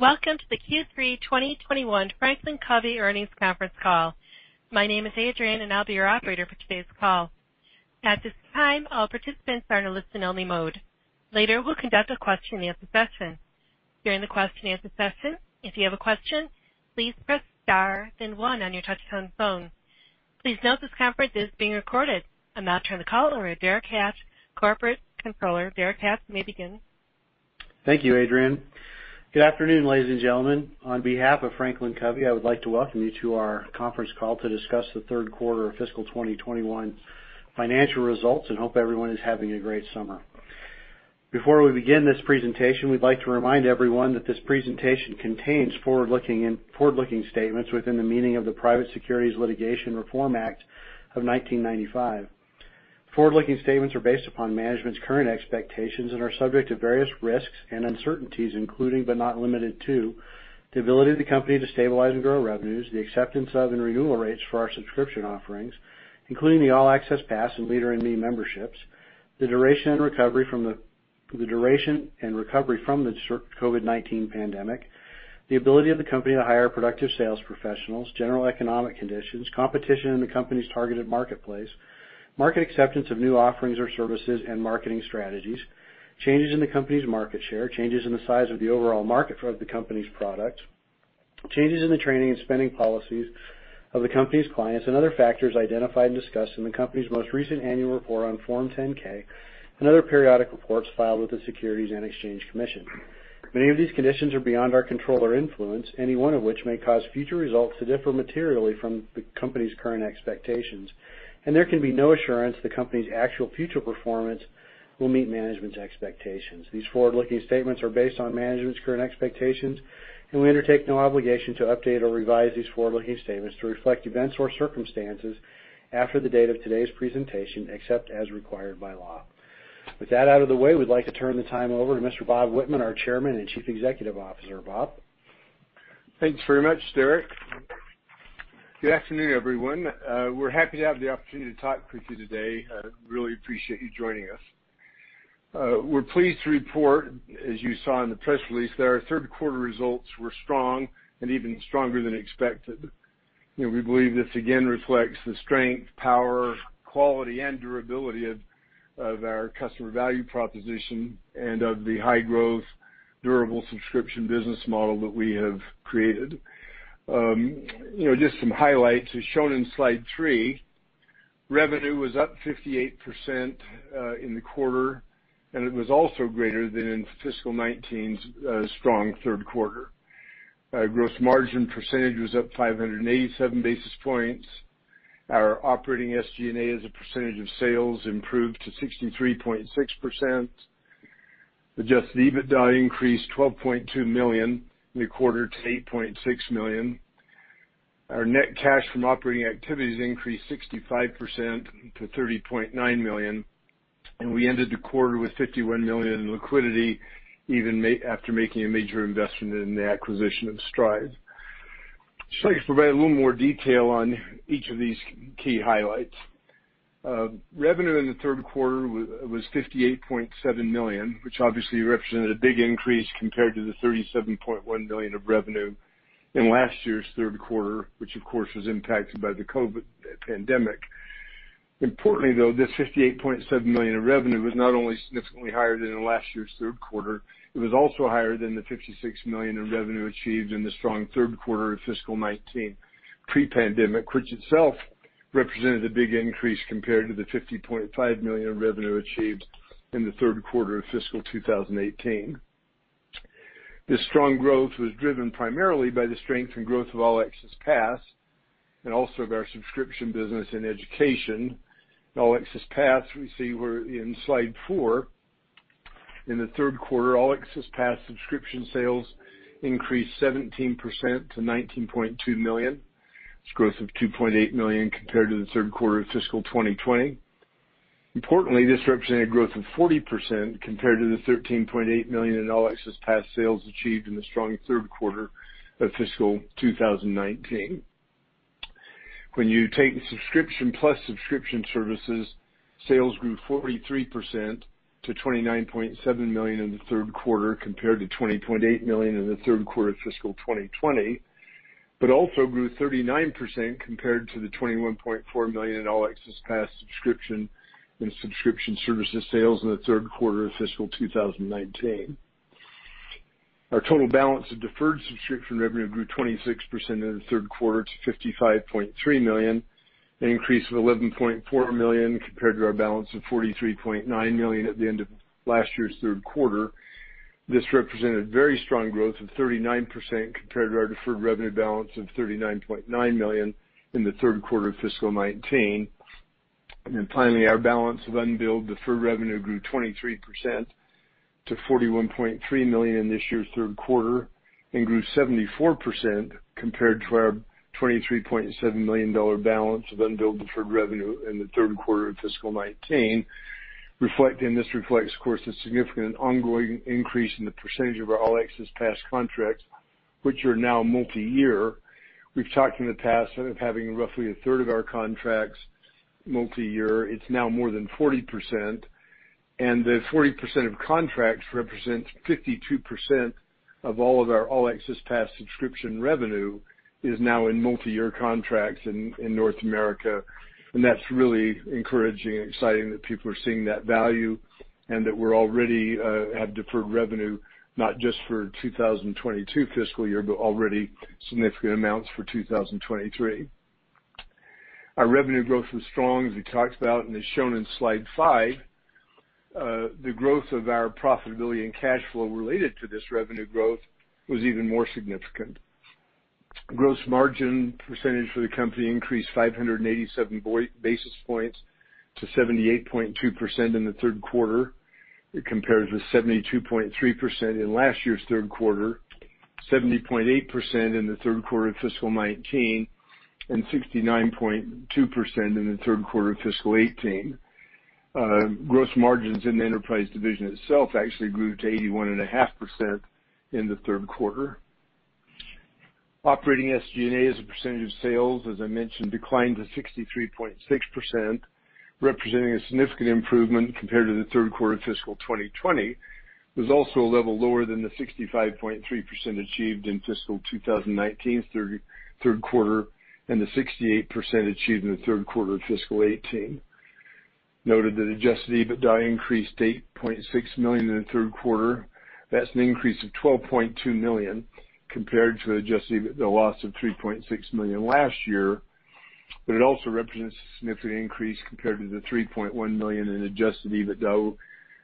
Welcome to the Q3 2021 FranklinCovey Earnings Conference Call. My name is Adrian, and I'll be your operator for today's call. At this time, all participants are in listen-only mode. Later, we'll conduct a question and answer session. During the question and answer session, if you have a question, please press star then one on your touch-tone phone. Please note this conference is being recorded. Now, turning the call over to Derek Capps, Corporate Controller. Derek Capps, you may begin. Thank you, Adrian. Good afternoon, ladies and gentlemen. On behalf of FranklinCovey, I would like to welcome you to our conference call to discuss the third quarter of fiscal 2021 financial results, and hope everyone is having a great summer. Before we begin this presentation, we'd like to remind everyone that this presentation contains forward-looking statements within the meaning of the Private Securities Litigation Reform Act of 1995. Forward-looking statements are based upon management's current expectations and are subject to various risks and uncertainties, including, but not limited to, the ability of the company to stabilize and grow revenues, the acceptance of and renewal rates for our subscription offerings, including the All Access Pass and Leader in Me memberships, the duration and recovery from the COVID-19 pandemic, the ability of the company to hire productive sales professionals, general economic conditions, competition in the company's targeted marketplace, market acceptance of new offerings or services and marketing strategies, changes in the company's market share, changes in the size of the overall market for the company's products, changes in the training and spending policies of the company's clients and other factors identified and discussed in the company's most recent annual report on Form 10-K and other periodic reports filed with the Securities and Exchange Commission. Many of these conditions are beyond our control or influence, any one of which may cause future results to differ materially from the company's current expectations, and there can be no assurance the company's actual future performance will meet management's expectations. These forward-looking statements are based on management's current expectations, and we undertake no obligation to update or revise these forward-looking statements to reflect events or circumstances after the date of today's presentation, except as required by law. With that out of the way, we'd like to turn the time over to Mr. Bob Whitman, our Chairman and Chief Executive Officer. Bob? Thanks very much, Derek. Good afternoon, everyone. We're happy to have the opportunity to talk with you today. Really appreciate you joining us. We're pleased to report, as you saw in the press release, that our third quarter results were strong and even stronger than expected. We believe this again reflects the strength, power, quality, and durability of our customer value proposition and of the high-growth, durable subscription business model that we have created. Just some highlights. As shown in Slide 3, revenue was up 58% in the quarter, and it was also greater than in fiscal 2019's strong third quarter. Gross margin percentage was up 587 basis points. Our operating SG&A as a percentage of sales improved to 63.6%. The adjusted EBITDA increased $12.2 million in the quarter to $8.6 million. Our net cash from operating activities increased 65% to $30.9 million. We ended the quarter with $51 million in liquidity, even after making a major investment in the acquisition of Strive. I'd like to provide a little more detail on each of these key highlights. Revenue in the third quarter was $58.7 million, which obviously represented a big increase compared to the $37.1 million of revenue in last year's third quarter, which of course, was impacted by the COVID pandemic. Importantly, though, this $58.7 million of revenue was not only significantly higher than in last year's third quarter, it was also higher than the $56 million of revenue achieved in the strong third quarter of fiscal 2019 pre-pandemic, which itself represented a big increase compared to the $50.5 million of revenue achieved in the third quarter of fiscal 2018. This strong growth was driven primarily by the strength and growth of All Access Pass and also of our subscription business in education. All Access Pass, we see we're in Slide 4. In the third quarter, All Access Pass subscription sales increased 17% to $19.2 million. It's a growth of $2.8 million compared to the third quarter of fiscal 2020. Importantly, this represented a growth of 40% compared to the $13.8 million in All Access Pass sales achieved in the strong third quarter of fiscal 2019. When you take the subscription plus subscription services, sales grew 43% to $29.7 million in the third quarter compared to $20.8 million in the third quarter of fiscal 2020, but also grew 39% compared to the $21.4 million in All Access Pass subscription and subscription services sales in the third quarter of fiscal 2019. Our total balance of deferred subscription revenue grew 26% in the third quarter to $55.3 million, an increase of $11.4 million compared to our balance of $43.9 million at the end of last year's third quarter. This represented very strong growth of 39% compared to our deferred revenue balance of $39.9 million in the third quarter of fiscal 2019. Finally, our balance of unbilled deferred revenue grew 23% to $41.3 million this year's third quarter and grew 74% compared to our $23.7 million balance of unbilled deferred revenue in the third quarter of fiscal 2019. This reflects, of course, a significant ongoing increase in the percentage of our All Access Pass contracts, which are now multi-year. We've talked in the past of having roughly a third of our contracts multi-year. It's now more than 40%. The 40% of contracts represents 52% of all of our All Access Pass subscription revenue is now in multi-year contracts in North America, and that's really encouraging and exciting that people are seeing that value and that we already have deferred revenue, not just for 2022 fiscal year, but already significant amounts for 2023. Our revenue growth was strong, as we talked about, as shown in slide five. The growth of our profitability and cash flow related to this revenue growth was even more significant. Gross margin percentage for the company increased 587 basis points to 78.2% in the third quarter. It compares with 72.3% in last year's third quarter, 70.8% in the third quarter of fiscal 2019, 69.2% in the third quarter of fiscal 2018. Gross margins in the Enterprise Division itself actually grew to 81.5% in the third quarter. Operating SG&A as a percentage of sales, as I mentioned, declined to 63.6%, representing a significant improvement compared to the third quarter of fiscal 2020. It was also a level lower than the 65.3% achieved in fiscal 2019's third quarter and the 68% achieved in the third quarter of fiscal 2018. Noted that adjusted EBITDA increased to $8.6 million in the third quarter. That's an increase of $12.2 million compared to adjusted EBITDA loss of $3.6 million last year. It also represents a significant increase compared to the $3.1 million in adjusted EBITDA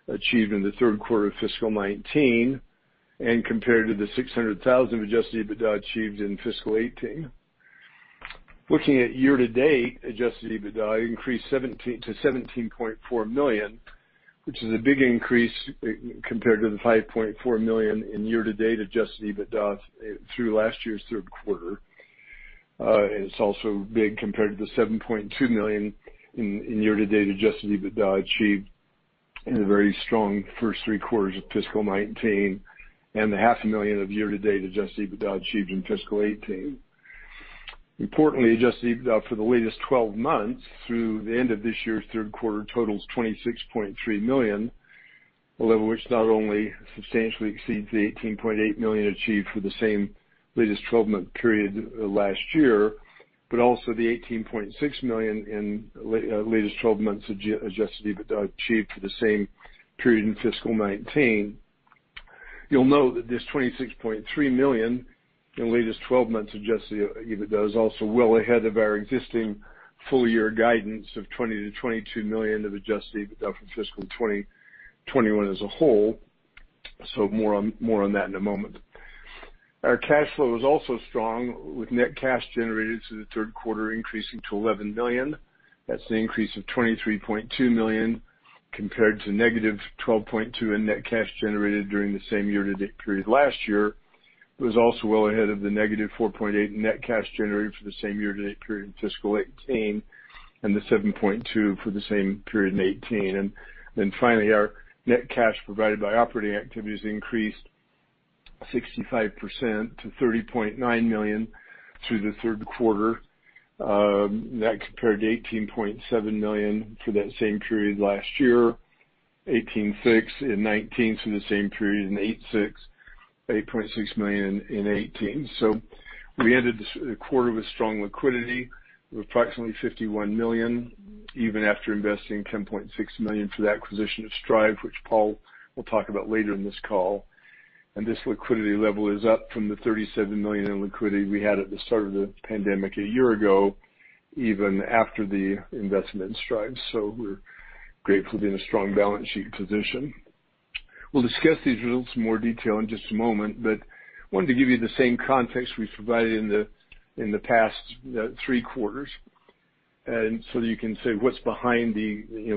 achieved in the third quarter of fiscal 2019 and compared to the $600,000 of adjusted EBITDA achieved in fiscal 2018. Looking at year-to-date adjusted EBITDA increased to $17.4 million, which is a big increase compared to the $5.4 million in year-to-date adjusted EBITDA through last year's third quarter. It's also big compared to the $7.2 million in year-to-date adjusted EBITDA achieved in the very strong first three quarters of fiscal 2019, and the half a million of year-to-date adjusted EBITDA achieved in fiscal 2018. Importantly, adjusted EBITDA for the latest 12 months through the end of this year's third quarter totals $26.3 million, a level which not only substantially exceeds the $18.8 million achieved for the same latest 12-month period last year, but also the $18.6 million in latest 12 months adjusted EBITDA achieved for the same period in fiscal 2019. You'll note that this $26.3 million in latest 12 months adjusted EBITDA is also well ahead of our existing full-year guidance of $20 million-$22 million of adjusted EBITDA for fiscal 2021 as a whole. More on that in a moment. Our cash flow was also strong with net cash generated through the third quarter increasing to $11 million. That's an increase of $23.2 million compared to -$12.2 in net cash generated during the same year-to-date period last year. It was also well ahead of the -$4.8 in net cash generated for the same year-to-date period in fiscal 2018 and the $7.2 for the same period in 2018. Finally, our net cash provided by operating activities increased 65% to $30.9 million through the third quarter. That compared to $18.7 million for that same period last year, $18.6 in 2019 for the same period, and $8.6 million in 2018. We ended the quarter with strong liquidity of approximately $51 million, even after investing $10.6 million for the acquisition of Strive, which Paul will talk about later in this call. This liquidity level is up from the $37 million in liquidity we had at the start of the pandemic a year ago, even after the investment in Strive. We're grateful to be in a strong balance sheet position. We'll discuss these results in more detail in just a moment, but wanted to give you the same context we've provided in the past three quarters, and so you can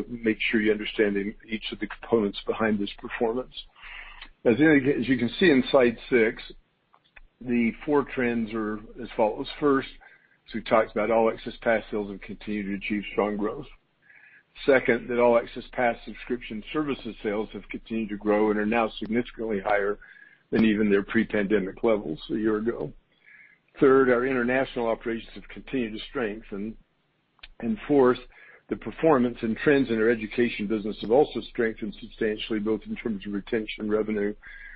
make sure you understand each of the components behind this performance. As you can see in slide six, the four trends are as follows. First, as we talked about, All Access Pass sales have continued to achieve strong growth. Second, that All Access Pass subscription services sales have continued to grow and are now significantly higher than even their pre-pandemic levels a year ago. Third, our international operations have continued to strengthen. Fourth, the performance and trends in our education business have also strengthened substantially, both in terms of retention, revenue,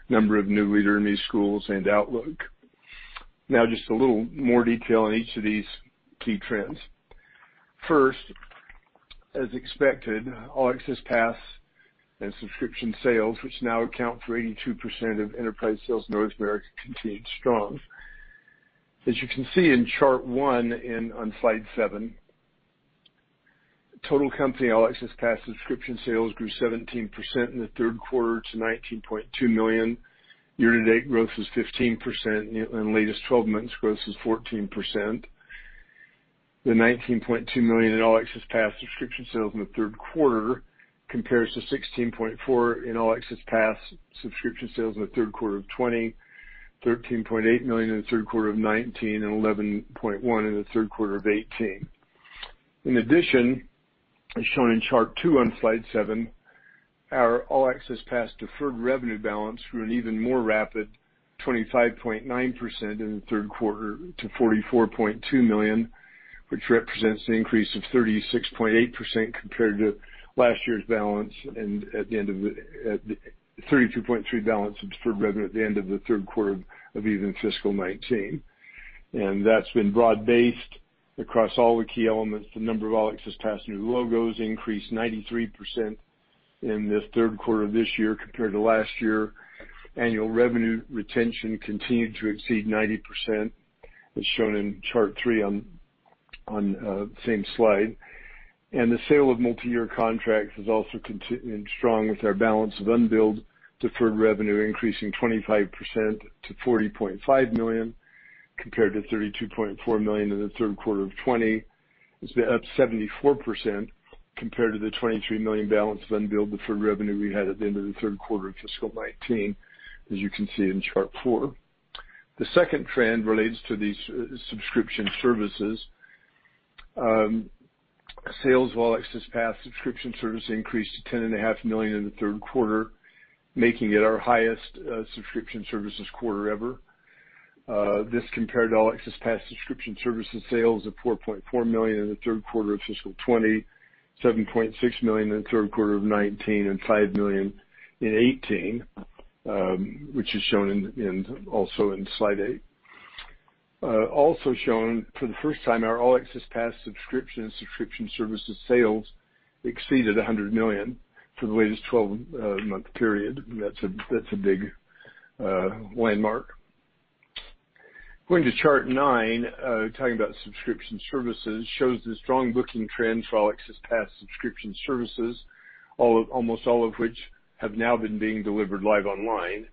number of new Leader in Me schools, and outlook. Just a little more detail on each of these key trends. First, as expected, All Access Pass and subscription sales, which now account for 82% of enterprise sales in North America, continued strong. As you can see in chart one on slide seven, total company All Access Pass subscription sales grew 17% in the third quarter to $19.2 million. Year-to-date growth was 15%, and latest 12 months growth was 14%. The $19.2 million in All Access Pass subscription sales in the third quarter compares to $16.4 in All Access Pass subscription sales in the third quarter of 2020, $13.8 million in the third quarter of 2019, and $11.1 in the third quarter of 2018. As shown in chart 2 on slide 7, our All Access Pass deferred revenue balance grew an even more rapid 25.9% in the third quarter to $44.2 million, which represents an increase of 36.8% compared to last year's balance and the $32.3 million of deferred revenue at the end of the third quarter of even fiscal 2019. That's been broad-based across all the key elements. The number of All Access Pass new logos increased 93% in the third quarter of this year compared to last year. Annual revenue retention continued to exceed 90%, as shown in chart three on the same slide. The sale of multi-year contracts is also continuing strong with our balance of unbilled deferred revenue increasing 25% to $40.5 million, compared to $32.4 million in the third quarter of 2020. It's been up 74% compared to the $23 million balance of unbilled deferred revenue we had at the end of the third quarter of fiscal 2019, as you can see in chart four. The second trend relates to the subscription services. Sales of All Access Pass subscription services increased to $10.5 million in the third quarter, making it our highest subscription services quarter ever. This compared to All Access Pass subscription services sales of $4.4 million in the third quarter of fiscal 2020, $7.6 million in the third quarter of 2019, and $5 million in 2018, which is shown also in slide 8. Also shown for the first time, our All Access Pass subscription services sales exceeded $100 million for the latest 12-month period. That's a big landmark. Going to chart nine, talking about subscription services, shows the strong booking trends for All Access Pass subscription services, almost all of which have now been being delivered live online.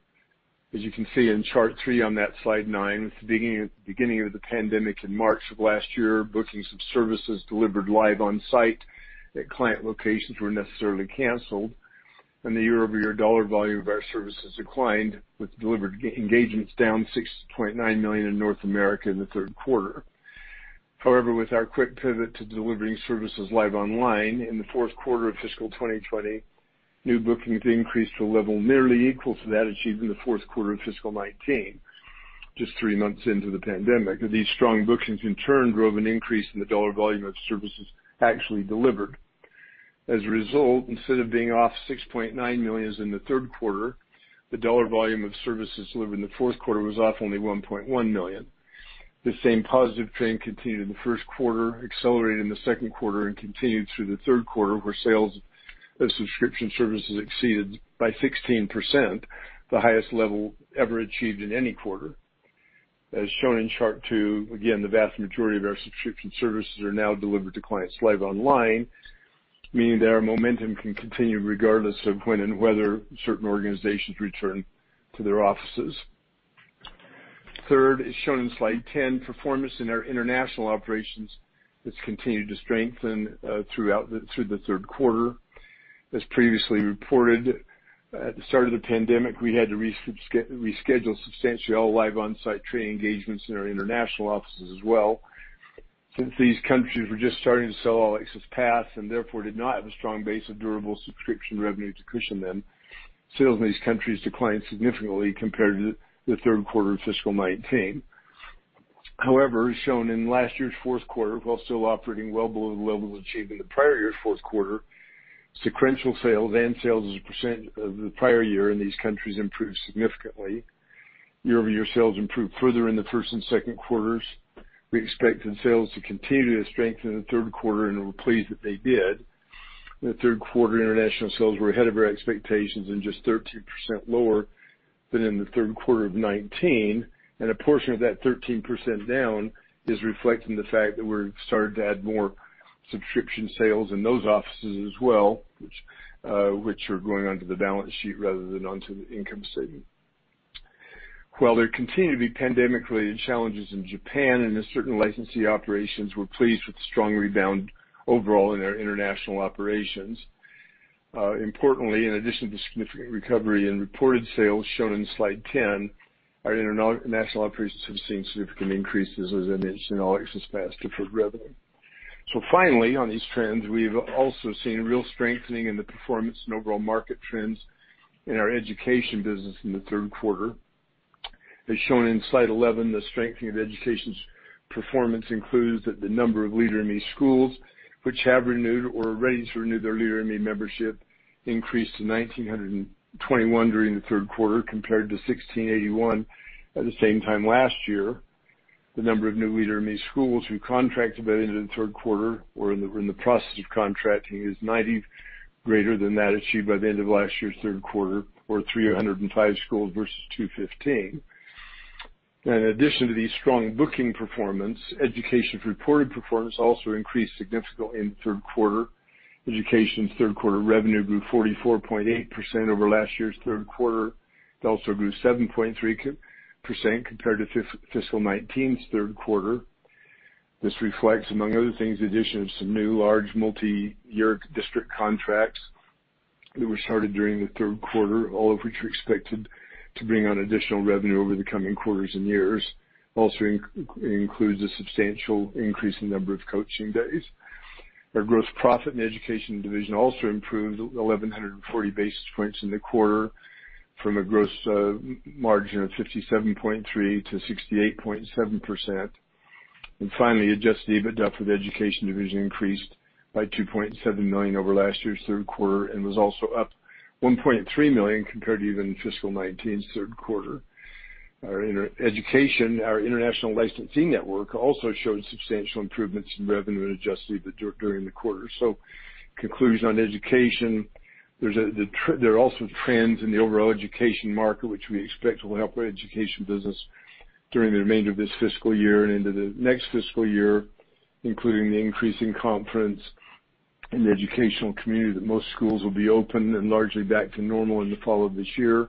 As you can see in chart three on that slide nine, at the beginning of the pandemic in March of last year, bookings of services delivered live on-site at client locations were necessarily canceled, and the year-over-year dollar volume of our services declined, with delivered engagements down $6.9 million in North America in the third quarter. However, with our quick pivot to delivering services live online in the fourth quarter of fiscal 2020, new bookings increased to a level nearly equal to that achieved in the fourth quarter of fiscal 2019, just three months into the pandemic. These strong bookings in turn drove an increase in the dollar volume of services actually delivered. As a result, instead of being off $6.9 million in the third quarter, the dollar volume of services delivered in the fourth quarter was off only $1.1 million. The same positive trend continued in the first quarter, accelerated in the second quarter, and continued through the third quarter, where sales of subscription services exceeded by 16% the highest level ever achieved in any quarter. As shown in chart two, again, the vast majority of our subscription services are now delivered to clients live online, meaning that our momentum can continue regardless of when and whether certain organizations return to their offices. Third, as shown in slide 10, performance in our international operations has continued to strengthen through the third quarter. As previously reported, at the start of the pandemic, we had to reschedule substantially all live on-site training engagements in our international offices as well. Since these countries were just starting to sell All Access Pass, and therefore did not have a strong base of durable subscription revenue to cushion them, sales in these countries declined significantly compared to the third quarter of fiscal 2019. However, as shown in last year's fourth quarter, while still operating well below the levels achieved in the prior year's fourth quarter, sequential sales and sales as a percent of the prior year in these countries improved significantly. Year-over-year sales improved further in the first and second quarters. We expected sales to continue to strengthen in the third quarter and were pleased that they did. In the third quarter, international sales were ahead of our expectations and just 13% lower than in the third quarter of 2019. A portion of that 13% down is reflecting the fact that we started to add more subscription sales in those offices as well, which are going onto the balance sheet rather than onto the income statement. While there continue to be pandemic-related challenges in Japan and in certain licensee operations, we're pleased with the strong rebound overall in our international operations. Importantly, in addition to significant recovery in reported sales shown in slide 10, our international operations have seen significant increases as an All Access Pass deferred revenue. Finally, on these trends, we've also seen real strengthening in the performance and overall market trends in our education business in the third quarter. As shown in slide 11, the strengthening of education's performance includes that the number of Leader in Me schools which have renewed or are ready to renew their Leader in Me membership increased to 1,921 during the third quarter compared to 1,681 at the same time last year. The number of new Leader in Me schools who contracted by the end of the third quarter or are in the process of contracting is 90 greater than that achieved by the end of last year's third quarter, or 305 schools versus 215. In addition to these strong booking performance, Education's reported performance also increased significantly in the third quarter. Education's third-quarter revenue grew 44.8% over last year's third quarter. It also grew 7.3% compared to fiscal 2019's third quarter. This reflects, among other things, the addition of some new large multi-year district contracts that were started during the third quarter, all of which are expected to bring on additional revenue over the coming quarters and years. Also includes a substantial increase in number of coaching days. Our gross profit in the education division also improved 1,140 basis points in the quarter from a gross margin of 57.3%-68.7%. Finally, adjusted EBITDA for the education division increased by $2.7 million over last year's third quarter and was also up $1.3 million compared to even fiscal 2019's third quarter. Our education, our international licensing network, also showed substantial improvements in revenue and adjusted EBITDA during the quarter. Conclusion on education, there are also trends in the overall education market which we expect will help our education business during the remainder of this fiscal year and into the next fiscal year, including the increasing confidence in the educational community that most schools will be open and largely back to normal in the fall of this year,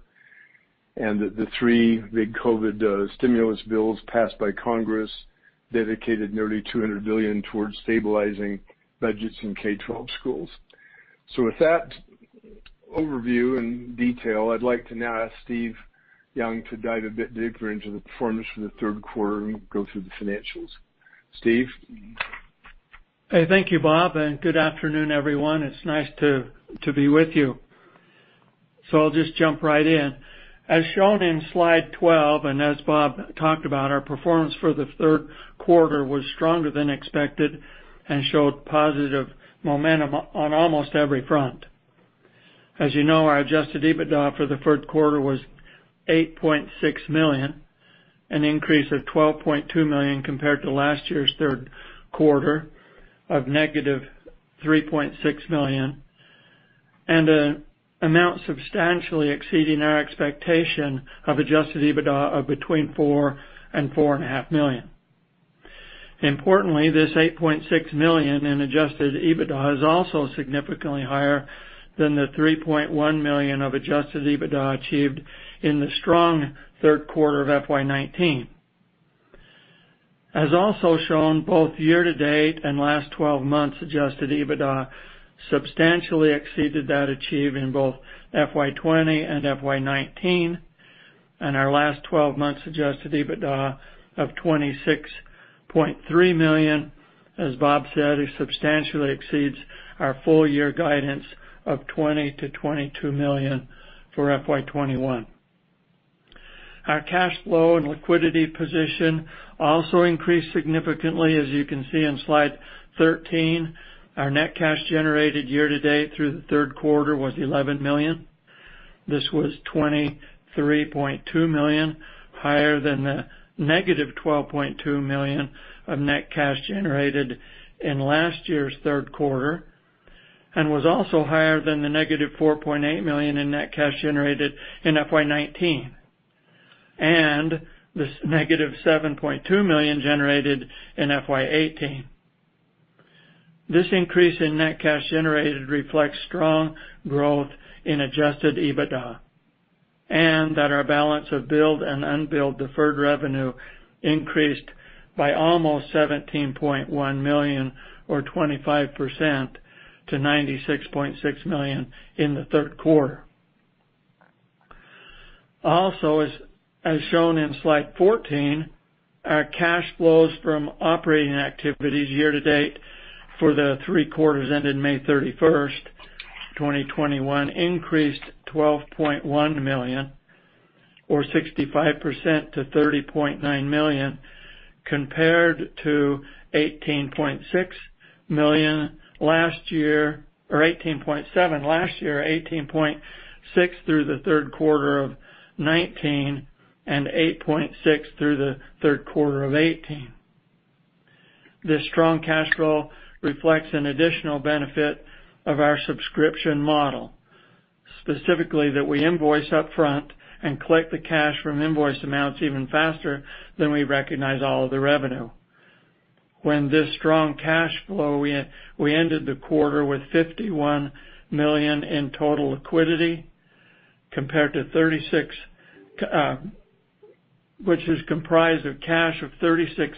and that the 3 big COVID-19 stimulus bills passed by Congress dedicated nearly $200 billion towards stabilizing budgets in K-12 schools. With that overview and detail, I'd like to now ask Steve Young to dive a bit deeper into the performance for the 3rd quarter and go through the financials. Steve? Hey, thank you, Bob, and good afternoon, everyone. It's nice to be with you. I'll just jump right in. As shown in slide 12, and as Bob talked about, our performance for the third quarter was stronger than expected and showed positive momentum on almost every front. As you know, our adjusted EBITDA for the third quarter was $8.6 million, an increase of $12.2 million compared to last year's third quarter of negative $3.6 million, and an amount substantially exceeding our expectation of adjusted EBITDA of between $4 million and $4.5 million. Importantly, this $8.6 million in adjusted EBITDA is also significantly higher than the $3.1 million of adjusted EBITDA achieved in the strong third quarter of FY 2019. As also shown both year-to-date and last 12 months, adjusted EBITDA substantially exceeded that achieved in both FY 2020 and FY 2019. Our last 12 months adjusted EBITDA of $26.3 million, as Bob said, it substantially exceeds our full year guidance of $20 million-$22 million for FY 2021. Our cash flow and liquidity position also increased significantly. As you can see on slide 13, our net cash generated year to date through the third quarter was $11 million. This was $23.2 million, higher than the negative $12.2 million of net cash generated in last year's third quarter and was also higher than the negative $4.8 million in net cash generated in FY 2019. This negative $7.2 million generated in FY 2018. This increase in net cash generated reflects strong growth in adjusted EBITDA and that our balance of billed and unbilled deferred revenue increased by almost $17.1 million or 25% to $96.6 million in the third quarter. Also, as shown in slide 14, our cash flows from operating activities year to date for the three quarters ended May 31, 2021 increased $12.1 million or 65% to $30.9 million, compared to $18.6 million last year, or $18.7 million last year, $18.6 million through the third quarter of 2019 and $8.6 million through the third quarter of 2018. This strong cash flow reflects an additional benefit of our subscription model, specifically that we invoice upfront and collect the cash from invoice amounts even faster than we recognize all of the revenue. When this strong cash flow, we ended the quarter with $51 million in total liquidity, compared to $36 million, which is comprised of cash of $36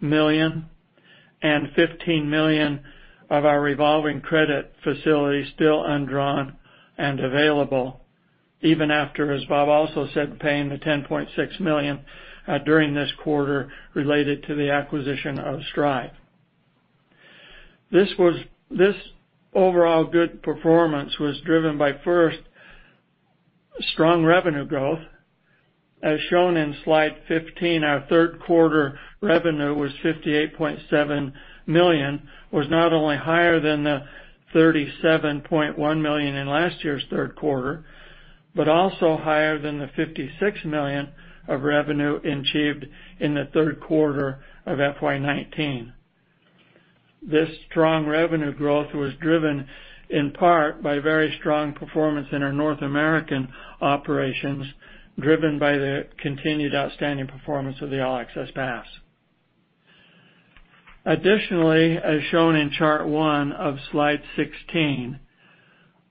million and $15 million of our revolving credit facility still undrawn and available even after, as Bob also said, paying the $10.6 million during this quarter related to the acquisition of Strive. This overall good performance was driven by, first, strong revenue growth. As shown in slide 15, our third quarter revenue was $58.7 million, not only higher than the $37.1 million in last year's third quarter, but also higher than the $56 million of revenue achieved in the third quarter of FY 2019. This strong revenue growth was driven in part by very strong performance in our North American operations, driven by the continued outstanding performance of the All Access Pass. Additionally, as shown in chart one of slide 16,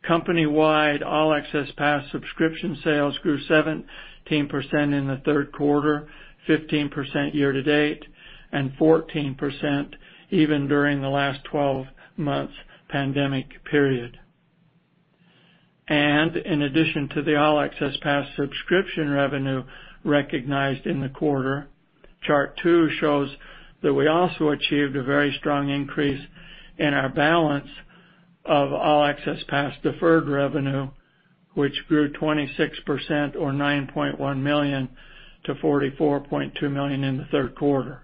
company-wide All Access Pass subscription sales grew 17% in the third quarter, 15% year to date, and 14% even during the last 12 months pandemic period. In addition to the All Access Pass subscription revenue recognized in the quarter, chart two shows that we also achieved a very strong increase in our balance of All Access Pass deferred revenue, which grew 26% or $9.1 million to $44.2 million in the third quarter.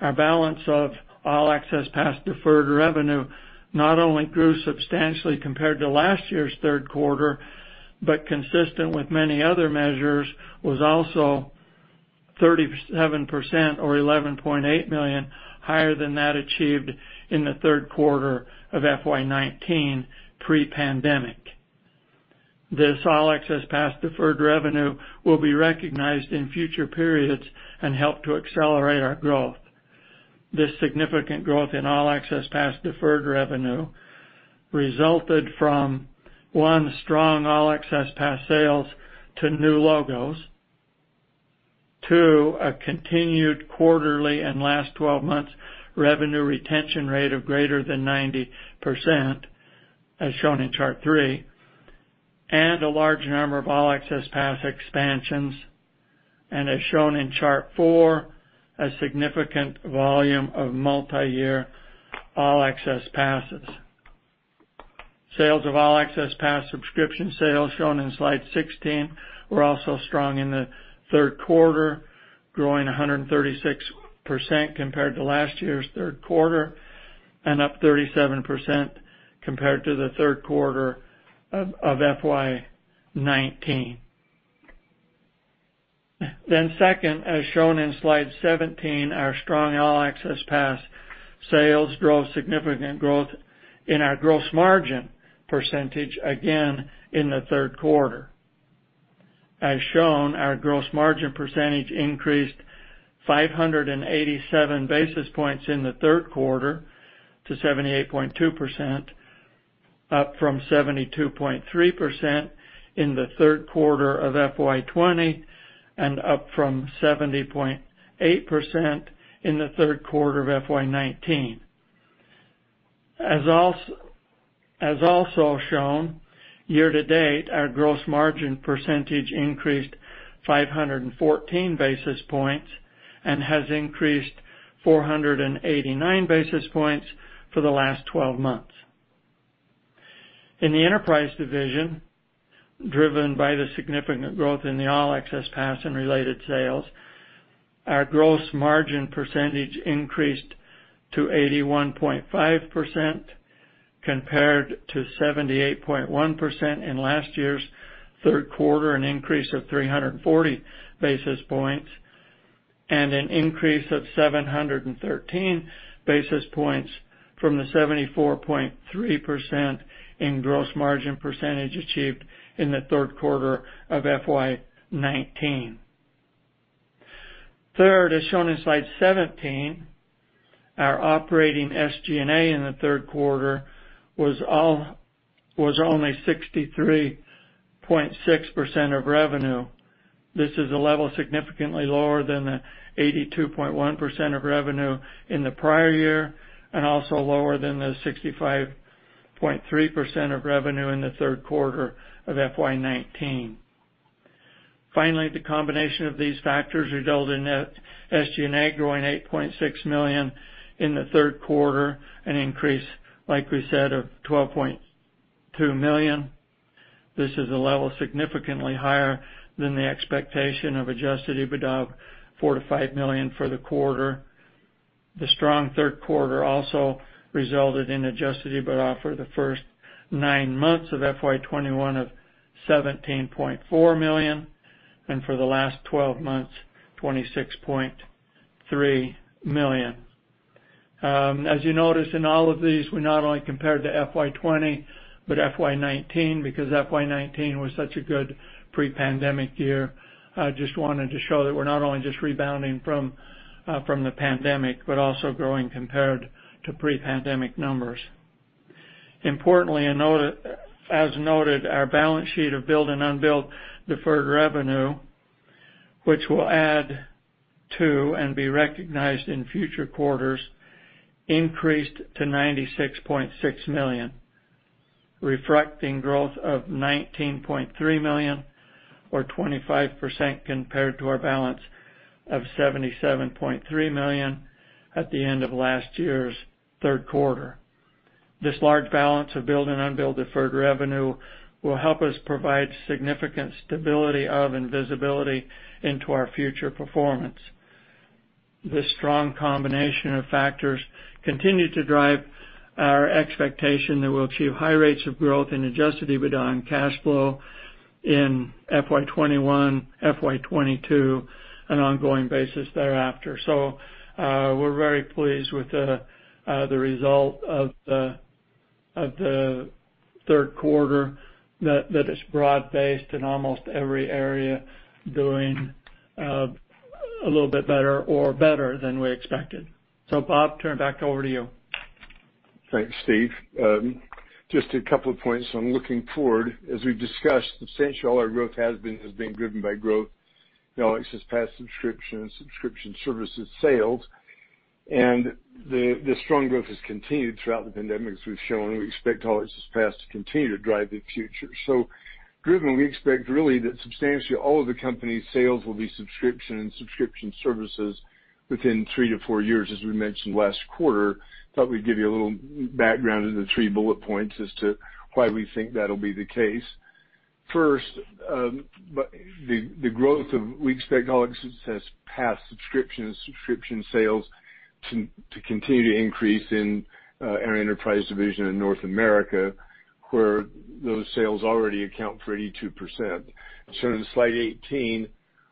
Our balance of All Access Pass deferred revenue not only grew substantially compared to last year's third quarter, but consistent with many other measures, was also 37% or $11.8 million higher than that achieved in the third quarter of FY 2019, pre-pandemic. This All Access Pass deferred revenue will be recognized in future periods and help to accelerate our growth. This significant growth in All Access Pass deferred revenue resulted from, one, strong All Access Pass sales to new logos. Two, a continued quarterly and last 12 months revenue retention rate of greater than 90%, as shown in chart three, and a large number of All Access Pass expansions. As shown in chart four, a significant volume of multi-year All Access Passes. Sales of All Access Pass subscription sales, shown in slide 16, were also strong in the third quarter, growing 136% compared to last year's third quarter, and up 37% compared to the third quarter of FY 2019. Two, as shown in slide 17, our strong All Access Pass sales drove significant growth in our gross margin percentage, again in the third quarter. As shown, our gross margin percentage increased 587 basis points in the third quarter to 78.2%, up from 72.3% in the third quarter of FY 2020, and up from 70.8% in the third quarter of FY 2019. As also shown, year to date, our gross margin percentage increased 514 basis points and has increased 489 basis points for the last 12 months. In the enterprise division, driven by the significant growth in the All Access Pass and related sales, our gross margin percentage increased to 81.5%, compared to 78.1% in last year's third quarter, an increase of 340 basis points, and an increase of 713 basis points from the 74.3% in gross margin percentage achieved in the third quarter of FY 2019. Third, as shown in slide 17, our operating SG&A in the third quarter was only 63.6% of revenue. This is a level significantly lower than the 82.1% of revenue in the prior year, and also lower than the 65.3% of revenue in the third quarter of FY 2019. The combination of these factors resulted in SG&A growing $8.6 million in the third quarter, an increase, like we said, of $12.2 million. This is a level significantly higher than the expectation of adjusted EBITDA of $4 million-$5 million for the quarter. The strong third quarter also resulted in adjusted EBITDA for the first nine months of FY 2021 of $17.4 million, and for the last 12 months, $26.3 million. You notice in all of these, we not only compared to FY 2020, but FY 2019, because FY 2019 was such a good pre-pandemic year. I just wanted to show that we're not only just rebounding from the pandemic, but also growing compared to pre-pandemic numbers. Importantly, as noted, our balance sheet of billed and unbilled deferred revenue, which we'll add to and be recognized in future quarters, increased to $96.6 million, reflecting growth of $19.3 million or 25% compared to our balance of $77.3 million at the end of last year's third quarter. This large balance of billed and unbilled deferred revenue will help us provide significant stability of, and visibility into our future performance. This strong combination of factors continue to drive our expectation that we'll achieve high rates of growth in adjusted EBITDA and cash flow in FY 2021, FY 2022, an ongoing basis thereafter. We're very pleased with the result of the third quarter that is broad-based in almost every area, doing a little bit better or better than we expected. Bob, turn it back over to you. Thanks, Steve. Just a couple of points on looking forward. As we've discussed, substantially all our growth has been driven by All Access Pass subscription and subscription services sales. The strong growth has continued throughout the pandemic, as we've shown. We expect All Access Pass to continue to drive the future. Driven, we expect really that substantially all of the company's sales will be subscription and subscription services within three to four years, as we mentioned last quarter. Thought we'd give you a little background in the three bullet points as to why we think that'll be the case. First, we expect All Access Pass subscription and subscription sales to continue to increase in our enterprise division in North America, where those sales already account for 82%. Shown in slide 18,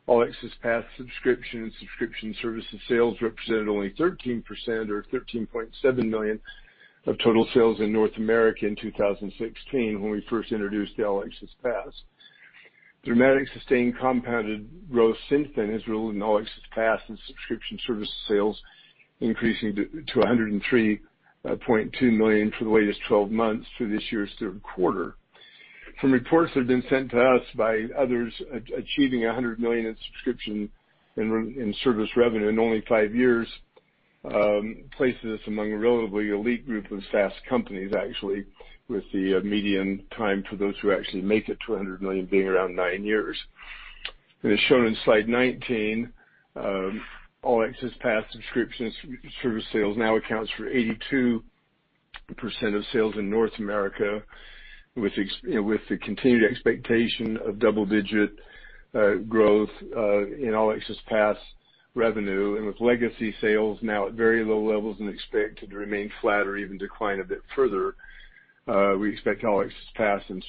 All Access Pass subscription and subscription services sales represented only 13% or $13.7 million of total sales in North America in 2016 when we first introduced the All Access Pass. Dramatic sustained compounded growth since then has grown All Access Pass and subscription services sales increasing to $103.2 million for the latest 12 months through this year's third quarter. From reports that have been sent to us by others, achieving $100 million in subscription and service revenue in only five years, places us among a relatively elite group of SaaS companies, actually, with the median time for those who actually make it to $100 million being around nine years. As shown in slide 19, All Access Pass subscription service sales now accounts for 82% of sales in North America, with the continued expectation of double-digit growth in All Access Pass revenue. With legacy sales now at very low levels and expected to remain flat or even decline a bit further, we expect All Access Pass and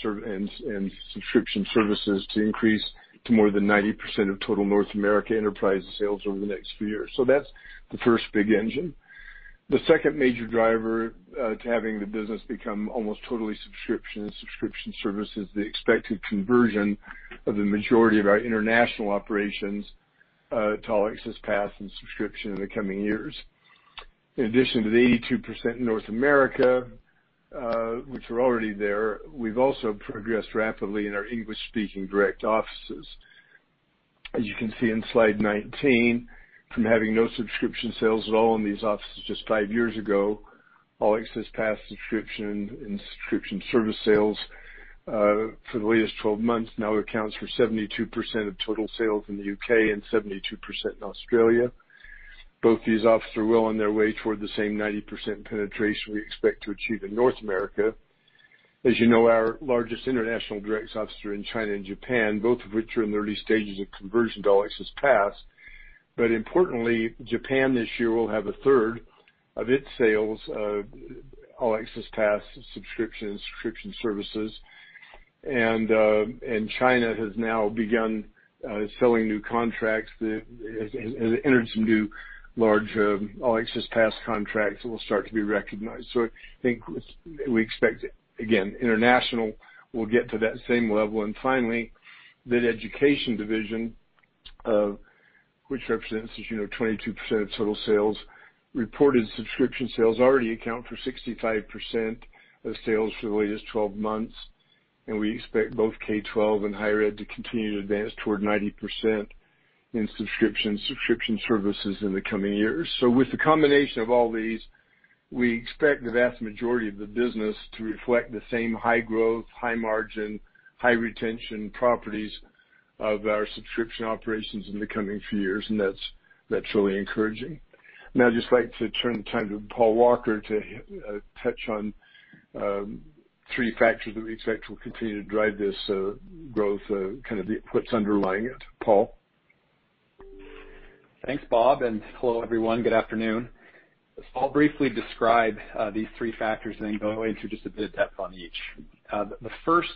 subscription services to increase to more than 90% of total North America enterprise sales over the next few years. That's the first big engine. The second major driver to having the business become almost totally subscription and subscription services, the expected conversion of the majority of our international operations to All Access Pass and subscription in the coming years. In addition to the 82% in North America, which are already there, we've also progressed rapidly in our English-speaking direct offices. As you can see in slide 19, from having no subscription sales at all in these offices just five years ago, All Access Pass subscription and subscription service sales, for the latest 12 months now accounts for 72% of total sales in the U.K. and 72% in Australia. Both these offices are well on their way toward the same 90% penetration we expect to achieve in North America. As you know, our largest international direct offices are in China and Japan, both of which are in the early stages of conversion to All Access Pass. Importantly, Japan this year will have a third of its sales All Access Pass subscription and subscription services. China has now begun selling new contracts Has entered some new large All Access Pass contracts that will start to be recognized. I think we expect, again, international will get to that same level. Finally, the education division, which represents, as you know, 22% of total sales, reported subscription sales already account for 65% of sales for the latest 12 months, and we expect both K12 and higher ed to continue to advance toward 90% in subscription services in the coming years. With the combination of all these, we expect the vast majority of the business to reflect the same high growth, high margin, high retention properties of our subscription operations in the coming few years. That's really encouraging. I'd just like to turn the time to Paul Walker to touch on three factors that we expect will continue to drive this growth, kind of what's underlying it. Paul? Thanks, Bob. Hello, everyone. Good afternoon. I'll briefly describe these 3 factors and then go into just a bit of depth on each. The first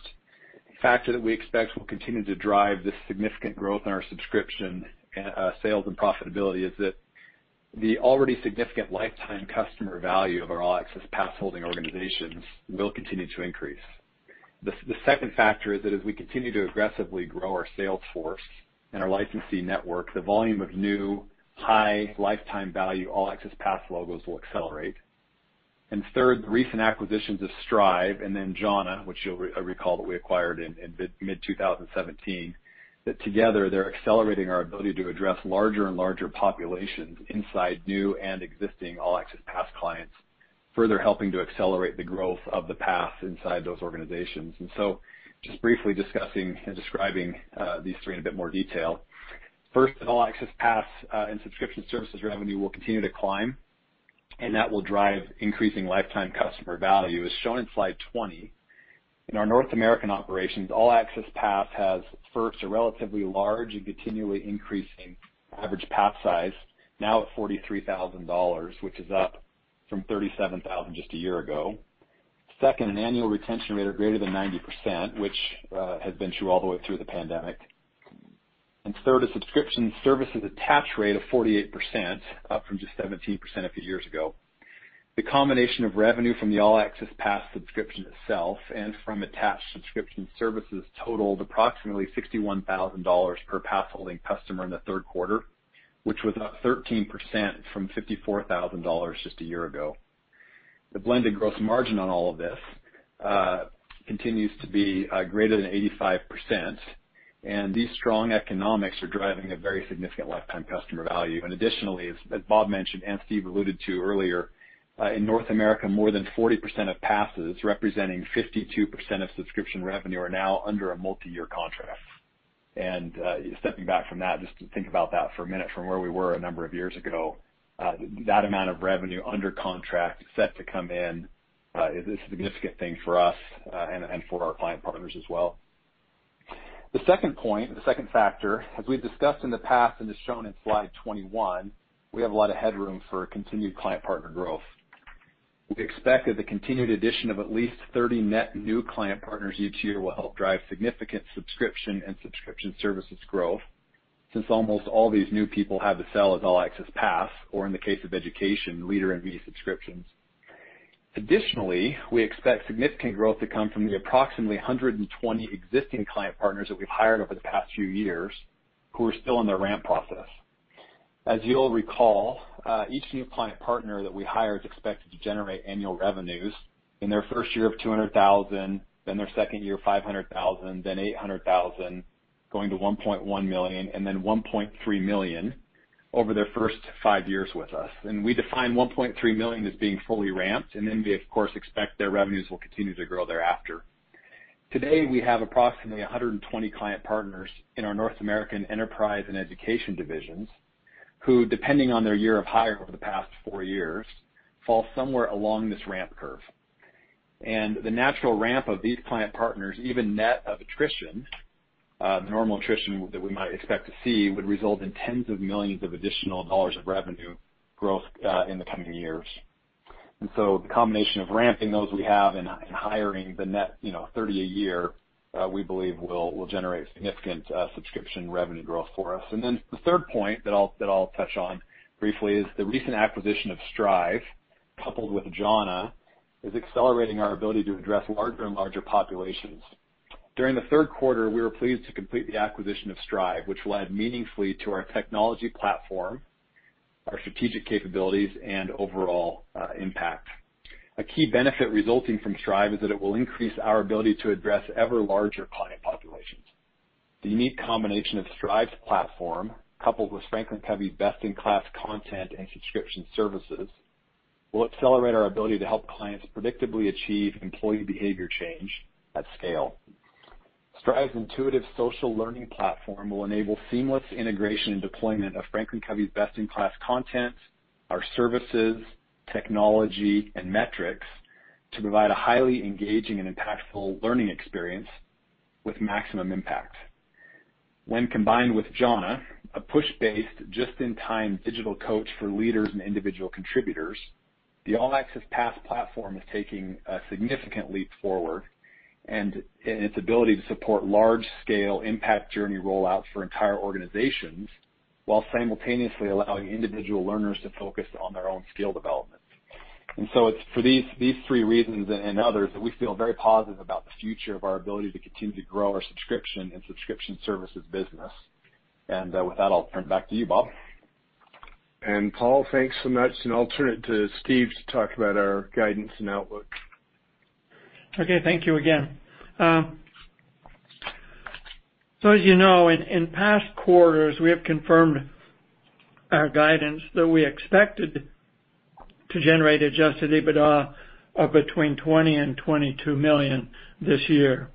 factor that we expect will continue to drive this significant growth in our subscription sales and profitability is that the already significant lifetime customer value of our All Access Pass-holding organizations will continue to increase. The second factor is that as we continue to aggressively grow our sales force and our licensee network, the volume of new high lifetime value All Access Pass logos will accelerate. Third, the recent acquisitions of Strive and then Jhana, which you'll recall that we acquired in mid-2017, that together, they're accelerating our ability to address larger and larger populations inside new and existing All Access Pass clients, further helping to accelerate the growth of the Pass inside those organizations. Just briefly discussing and describing these three in a bit more detail. First, All Access Pass and subscription services revenue will continue to climb, and that will drive increasing lifetime customer value. As shown in slide 20, in our North American operations, All Access Pass has, first, a relatively large and continually increasing average Pass size, now at $43,000, which is up from $37,000 just a year ago. Second, an annual retention rate of greater than 90%, which has been true all the way through the pandemic. Third, a subscription services attach rate of 48%, up from just 17% a few years ago. The combination of revenue from the All Access Pass subscription itself and from attached subscription services totaled approximately $61,000 per Pass-holding customer in the third quarter, which was up 13% from $54,000 just a year ago. The blended gross margin on all of this continues to be greater than 85%, and these strong economics are driving a very significant lifetime customer value. Additionally, as Bob mentioned and Steve alluded to earlier, in North America, more than 40% of passes, representing 52% of subscription revenue, are now under a multi-year contract. Stepping back from that, just to think about that for a minute from where we were a number of years ago, that amount of revenue under contract set to come in is a significant thing for us and for our client partners as well. The second point, the second factor, as we've discussed in the past and is shown in slide 21, we have a lot of headroom for continued client partner growth. We expect that the continued addition of at least 30 net new client partners each year will help drive significant subscription and subscription services growth, since almost all these new people have to sell as All Access Pass, or in the case of education, Leader in Me subscriptions. Additionally, we expect significant growth to come from the approximately 120 existing client partners that we've hired over the past few years who are still in the ramp process. As you'll recall, each new client partner that we hire is expected to generate annual revenues in their first year of $200,000, then their second year of $500,000, then $800,000, going to $1.1 million, and then $1.3 million over their first five years with us. We define $1.3 million as being fully ramped, and then we, of course, expect their revenues will continue to grow thereafter. Today, we have approximately 120 client partners in our North American Enterprise and Education divisions who, depending on their year of hire over the past four years, fall somewhere along this ramp curve. The natural ramp of these client partners, even net of attrition, the normal attrition that we might expect to see, would result in tens of millions of additional dollars of revenue growth in the coming years. The combination of ramping those we have and hiring the net 30 a year, we believe will generate significant subscription revenue growth for us. The third point that I'll touch on briefly is the recent acquisition of Strive, coupled with Jhana, is accelerating our ability to address larger and larger populations. During the third quarter, we were pleased to complete the acquisition of Strive, which will add meaningfully to our technology platform, our strategic capabilities, and overall impact. A key benefit resulting from Strive is that it will increase our ability to address ever larger client populations. The unique combination of Strive's platform, coupled with FranklinCovey's best-in-class content and subscription services, will accelerate our ability to help clients predictably achieve employee behavior change at scale. Strive's intuitive social learning platform will enable seamless integration and deployment of FranklinCovey's best-in-class content, our services, technology, and metrics to provide a highly engaging and impactful learning experience with maximum impact. When combined with Jhana, a push-based, just-in-time digital coach for leaders and individual contributors, the All Access Pass platform is taking a significant leap forward in its ability to support large-scale Impact Journey rollouts for entire organizations while simultaneously allowing individual learners to focus on their own skill development. It's for these three reasons and others that we feel very positive about the future of our ability to continue to grow our subscription and subscription services business. With that, I'll turn it back to you, Bob. Paul, thanks so much, and I'll turn it to Steve to talk about our guidance and outlook. Okay. Thank you again. As you know, in past quarters, we have confirmed our guidance that we expected to generate adjusted EBITDA of between $20 million and $22 million this year.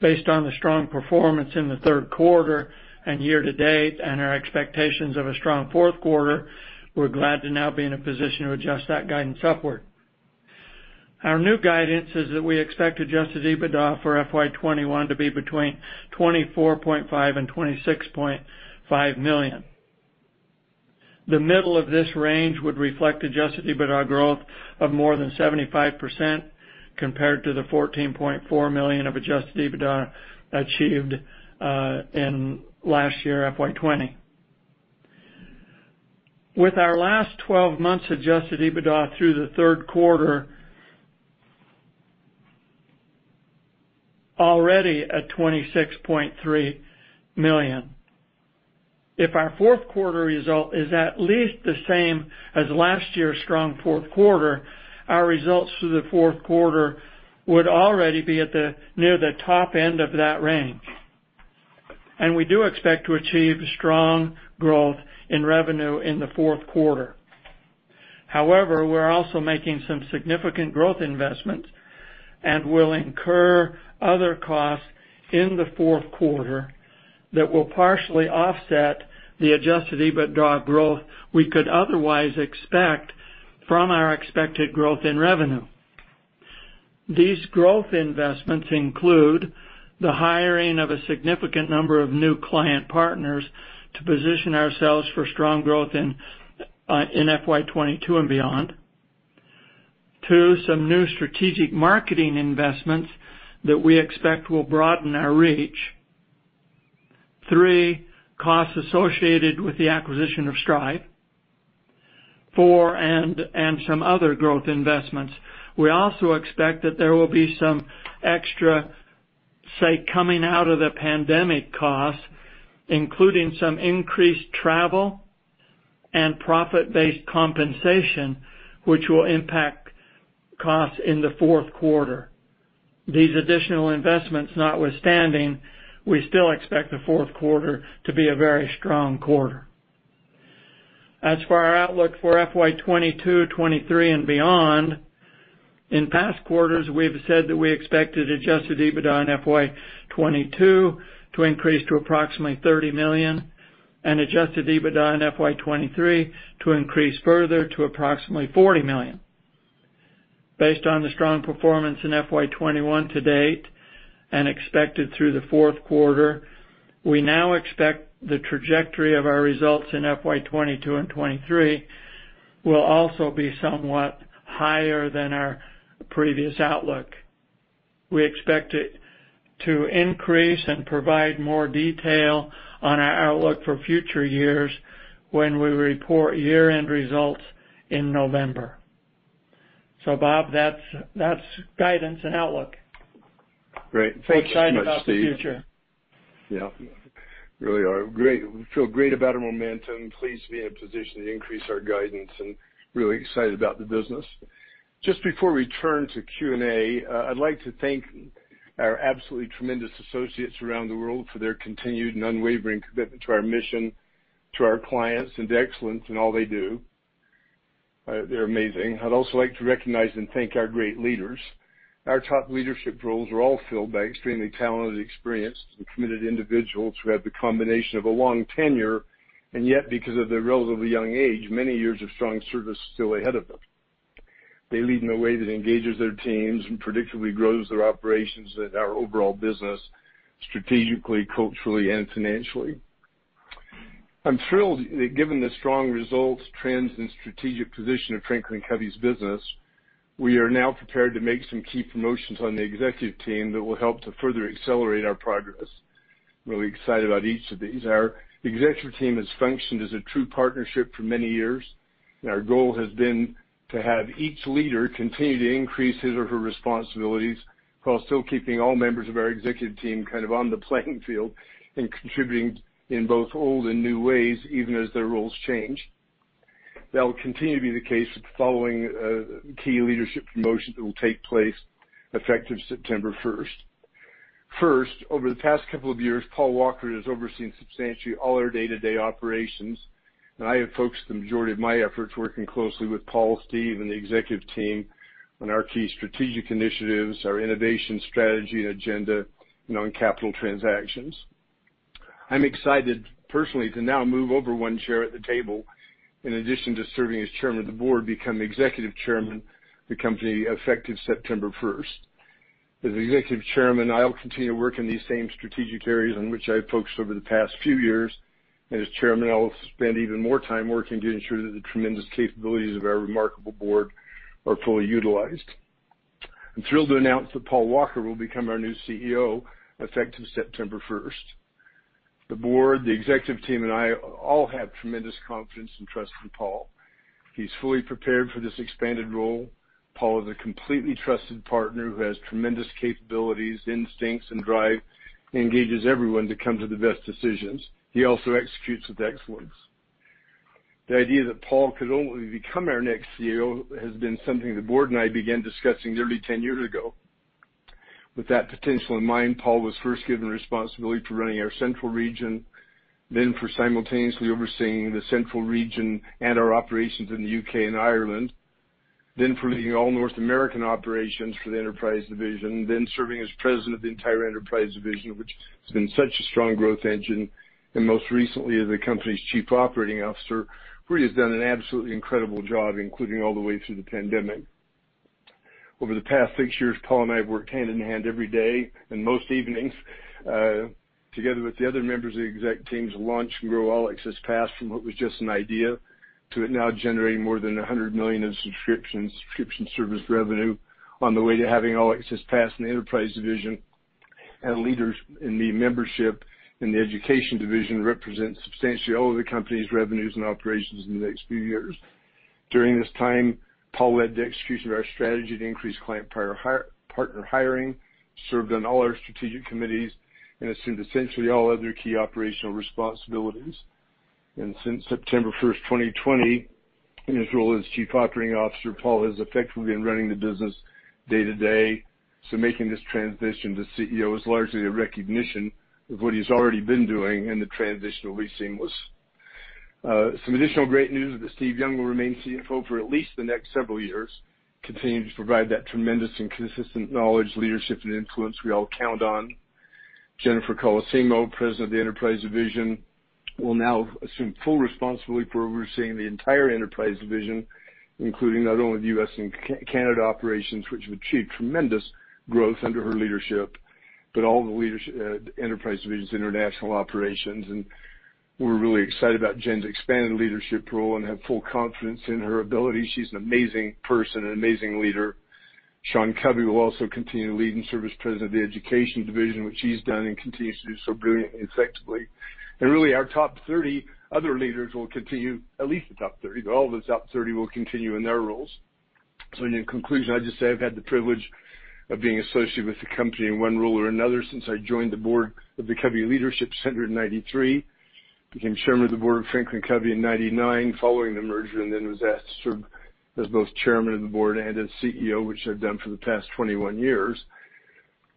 Based on the strong performance in the third quarter and year to date, and our expectations of a strong fourth quarter, we're glad to now be in a position to adjust that guidance upward. Our new guidance is that we expect adjusted EBITDA for FY 2021 to be between $24.5 million and $26.5 million. The middle of this range would reflect adjusted EBITDA growth of more than 75% compared to the $14.4 million of adjusted EBITDA achieved in last year, FY 2020. With our last 12 months adjusted EBITDA through the third quarter already at $26.3 million, if our fourth quarter result is at least the same as last year's strong fourth quarter, our results for the fourth quarter would already be near the top end of that range. We do expect to achieve strong growth in revenue in the fourth quarter. We're also making some significant growth investments and will incur other costs in the fourth quarter that will partially offset the adjusted EBITDA growth we could otherwise expect from our expected growth in revenue. These growth investments include the hiring of a significant number of new client partners to position ourselves for strong growth in FY 2022 and beyond. Two, some new strategic marketing investments that we expect will broaden our reach. Three, costs associated with the acquisition of Strive. Four, some other growth investments. We also expect that there will be some extra spend coming out of the pandemic costs, including some increased travel and profit-based compensation, which will impact costs in the fourth quarter. These additional investments notwithstanding, we still expect the fourth quarter to be a very strong quarter. For our outlook for FY 2022, 2023, and beyond, in past quarters, we've said that we expected adjusted EBITDA in FY 2022 to increase to approximately $30 million and adjusted EBITDA in FY 2023 to increase further to approximately $40 million. Based on the strong performance in FY 2021 to date and expected through the fourth quarter, we now expect the trajectory of our results in FY 2022 and 2023 will also be somewhat higher than our previous outlook. We expect it to increase and provide more detail on our outlook for future years when we report year-end results in November. Bob, that's guidance and outlook. Great. Thanks so much, Steve. We're excited about the future. Yeah. Really are. We feel great about our momentum, pleased to be in a position to increase our guidance, and really excited about the business. Just before we turn to Q&A, I'd like to thank our absolutely tremendous associates around the world for their continued and unwavering commitment to our mission, to our clients, and to excellence in all they do. They're amazing. I'd also like to recognize and thank our great leaders. Our top leadership roles are all filled by extremely talented, experienced, and committed individuals who have the combination of a long tenure, and yet, because of their relatively young age, many years of strong service still ahead of them. They lead in a way that engages their teams and predictably grows their operations and our overall business strategically, culturally, and financially. I'm thrilled that given the strong results, trends, and strategic position of FranklinCovey's business, we are now prepared to make some key promotions on the executive team that will help to further accelerate our progress. Really excited about each of these. Our executive team has functioned as a true partnership for many years. Our goal has been to have each leader continue to increase his or her responsibilities while still keeping all members of our executive team kind of on the playing field and contributing in both old and new ways, even as their roles change. That will continue to be the case following key leadership promotions that will take place effective September 1. First, over the past couple of years, Paul Walker has overseen substantially all our day-to-day operations, and I have focused the majority of my efforts working closely with Paul, Steve, and the executive team on our key strategic initiatives, our innovation strategy and agenda, and on capital transactions. I'm excited personally to now move over one chair at the table, in addition to serving as Chairman of the Board, become Executive Chairman of the company effective September 1st. As Executive Chairman, I'll continue working these same strategic areas on which I've focused over the past few years. As Chairman, I will spend even more time working, getting sure that the tremendous capabilities of our remarkable board are fully utilized. I'm thrilled to announce that Paul Walker will become our new CEO effective September 1st. The board, the executive team, and I all have tremendous confidence and trust in Paul. He's fully prepared for this expanded role. Paul is a completely trusted partner who has tremendous capabilities, instincts, and drive, and engages everyone to come to the best decisions. He also executes with excellence. The idea that Paul could ultimately become our next CEO has been something the board and I began discussing nearly 10 years ago. With that potential in mind, Paul was first given responsibility for running our central region, then for simultaneously overseeing the central region and our operations in the U.K. and Ireland, then for leading all North American operations for the Enterprise Division, then serving as President of the entire Enterprise Division, which has been such a strong growth engine, and most recently, as the company's Chief Operating Officer, where he has done an absolutely incredible job, including all the way through the pandemic. Over the past six years, Paul and I have worked hand in hand every day and most evenings, together with the other members of the exec team, to launch and grow All Access Pass from what was just an idea to it now generating more than $100 million in subscription service revenue on the way to having All Access Pass in the Enterprise Division and Leader in Me membership in the Education Division represent substantially all of the company's revenues and operations in the next few years. During this time, Paul led the execution of our strategy to increase client partner hiring, served on all our strategic committees, and assumed essentially all other key operational responsibilities. Since September 1st, 2020, in his role as Chief Operating Officer, Paul Walker has effectively been running the business day-to-day, so making this transition to CEO is largely a recognition of what he's already been doing, and the transition will be seamless. Some additional great news is that Steve Young will remain CFO for at least the next several years, continuing to provide that tremendous and consistent knowledge, leadership, and influence we all count on. Jennifer Colosimo, President of the Enterprise Division, will now assume full responsibility for overseeing the entire Enterprise Division, including not only the U.S. and Canada operations, which have achieved tremendous growth under her leadership, but all the Enterprise Division's international operations. We're really excited about Jennifer Colosimo's expanded leadership role and have full confidence in her ability. She's an amazing person, an amazing leader. Sean Covey will also continue to lead and serve as President of the Education Division, which he's done and continues to do so brilliantly and effectively. Really our top 30 other leaders will continue, at least the top 30, though all of the top 30 will continue in their roles. In conclusion, I'll just say I've had the privilege of being associated with the company in one role or another since I joined the board of the Covey Leadership Center in 1993, became Chairman of the Board of FranklinCovey in 1999 following the merger, and then was asked to serve as both Chairman of the Board and as CEO, which I've done for the past 21 years.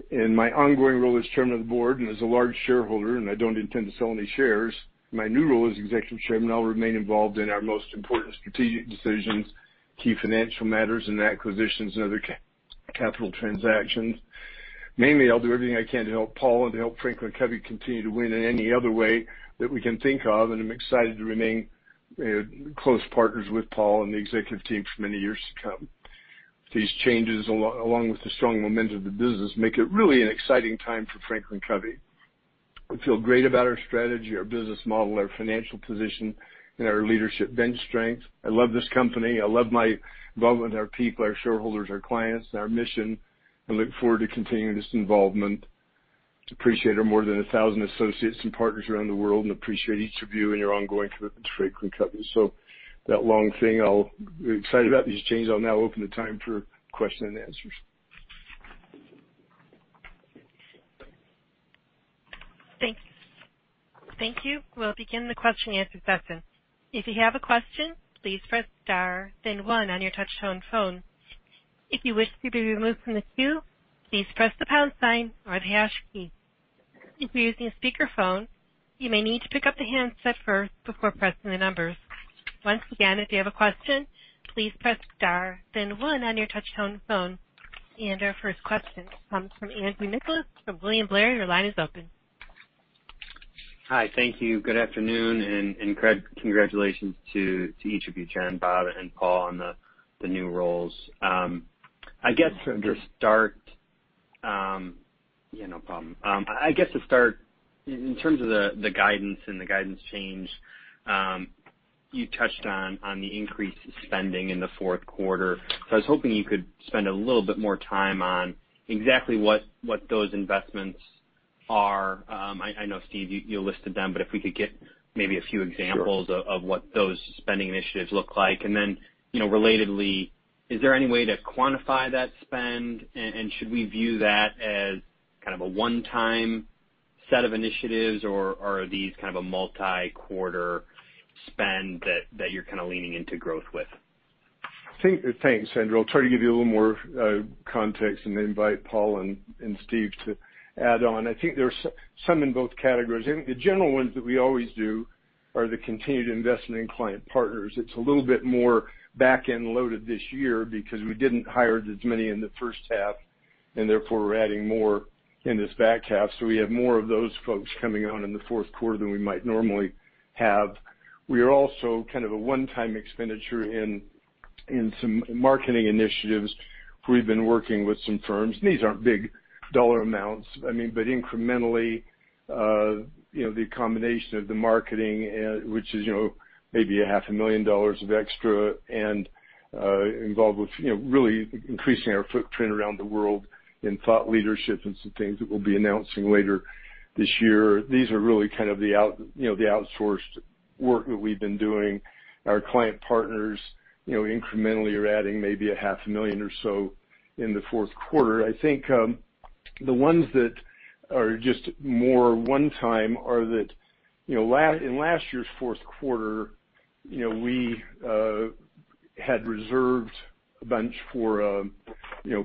In my ongoing role as chairman of the board and as a large shareholder, and I don't intend to sell any shares, my new role as executive chairman, I'll remain involved in our most important strategic decisions, key financial matters, acquisitions, and other capital transactions. Mainly, I'll do everything I can to help Paul and to help FranklinCovey continue to win in any other way that we can think of. I'm excited to remain close partners with Paul and the executive team for many years to come. These changes, along with the strong momentum of the business, make it really an exciting time for FranklinCovey. I feel great about our strategy, our business model, our financial position, and our leadership bench strength. I love this company. I love our people, our shareholders, our clients, and our mission. I look forward to continuing this involvement. Appreciate our more than 1,000 associates and partners around the world and appreciate each of you and your ongoing commitment to FranklinCovey. That long thing, I'm excited about these changes. I'll now open the time for question and answers. Thank you. We'll begin the question and answer session. Our first question comes from Andrew Nicholas from William Blair. Your line is open. Hi. Thank you. Good afternoon. Congratulations to each of you, Jen, Bob, and Paul, on the new roles. Thank you. No problem. I guess to start, in terms of the guidance and the guidance change, you touched on the increase of spending in the fourth quarter. I was hoping you could spend a little bit more time on exactly what those investments are. I know, Steve, you listed them, but if we could get maybe a few examples. Sure. -of what those spending initiatives look like. Then relatedly, is there any way to quantify that spend? Should we view that as kind of a one-time set of initiatives, or are these kind of a multi-quarter spend that you're kind of leaning into growth with? Thanks, Andrew. I'll try to give you a little more context and invite Paul and Steve to add on. I think there's some in both categories. I think the general ones that we always do are the continued investment in client partners. It's a little bit more back-end loaded this year because we didn't hire as many in the first half, and therefore we're adding more in this back half. We have more of those folks coming on in the fourth quarter than we might normally have. We are also kind of a one-time expenditure in some marketing initiatives. We've been working with some firms. These aren't big dollar amounts, but incrementally, the combination of the marketing, which is maybe a half a million dollars of extra and involved with really increasing our footprint around the world in thought leadership and some things that we'll be announcing later this year. These are really kind of the outsourced work that we've been doing. Our client partners incrementally are adding maybe a half a million or so in the fourth quarter. I think, the ones that are just more one time are that in last year's fourth quarter, we had reserved a bench for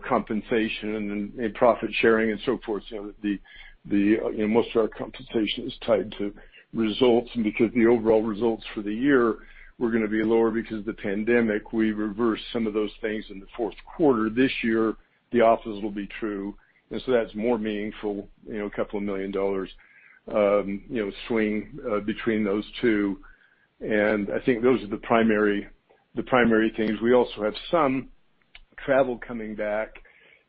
compensation and profit sharing and so forth. Most of our compensation is tied to results. Because the overall results for the year were going to be lower because of the pandemic, we reversed some of those things in the fourth quarter. This year, the opposite will be true, and so that's more meaningful, a couple of million dollars swing between those two, and I think those are the primary things. We also have some travel coming back,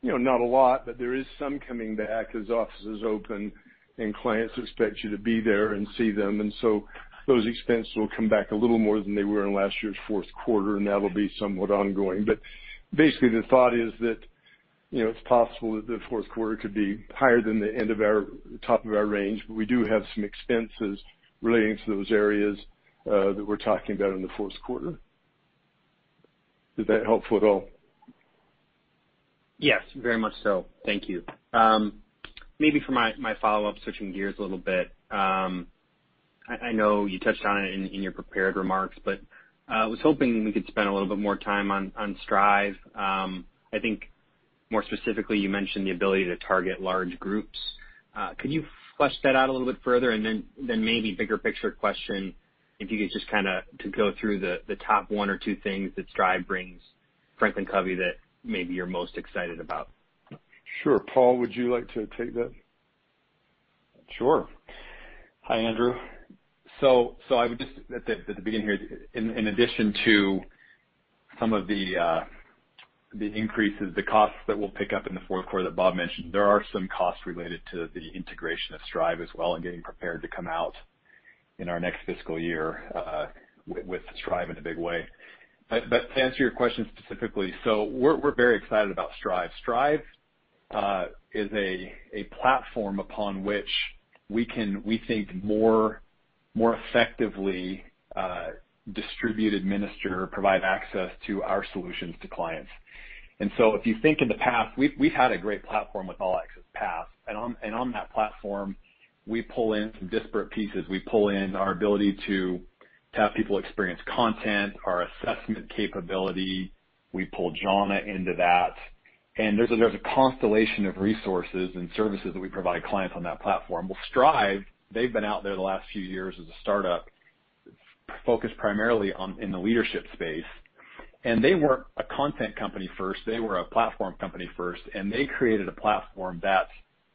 not a lot, but there is some coming back as offices open and clients expect you to be there and see them, and so those expenses will come back a little more than they were in last year's fourth quarter, and that'll be somewhat ongoing. Basically, the thought is that it's possible that the fourth quarter could be higher than the top of our range. We do have some expenses relating to those areas that we're talking about in the fourth quarter. Was that helpful at all? Yes, very much so. Thank you. For my follow-up, switching gears a little bit, I know you touched on it in your prepared remarks, but I was hoping we could spend a little bit more time on Strive. I think more specifically, you mentioned the ability to target large groups. Could you flesh that out a little bit further? Maybe bigger picture question, if you could just kind of go through the top one or two things that Strive brings FranklinCovey that maybe you're most excited about. Sure. Paul, would you like to take that? Sure. Hi, Andrew. I would just at the beginning here, in addition to some of the increases, the costs that we'll pick up in the fourth quarter Bob mentioned, there are some costs related to the integration of Strive as well and getting prepared to come out in our next fiscal year with Strive in a big way. To answer your question specifically, we're very excited about Strive. Strive is a platform upon which we think more effectively distribute, administer, provide access to our solutions to clients. If you think in the past, we had a great platform with All Access Pass. On that platform, we pull in some disparate pieces. We pull in our ability to have people experience content, our assessment capability. We pull Jhana into that. There's a constellation of resources and services that we provide clients on that platform. Strive, they've been out there the last few years as a startup focused primarily in the leadership space. They weren't a content company first, they were a platform company first, and they created a platform that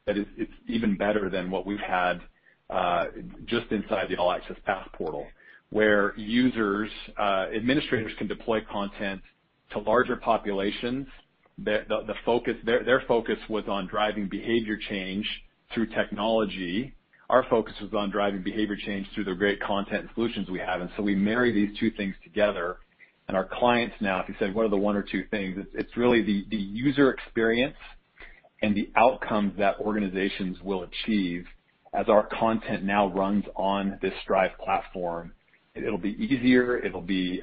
it's even better than what we've had just inside the All Access Pass portal, where users, administrators can deploy content to larger populations. Their focus was on driving behavior change through technology. Our focus was on driving behavior change through the great content solutions we have. We marry these two things together, and our clients now, if you say what are the one or two things, it's really the user experience and the outcomes that organizations will achieve as our content now runs on this Strive platform. It'll be easier. It'll be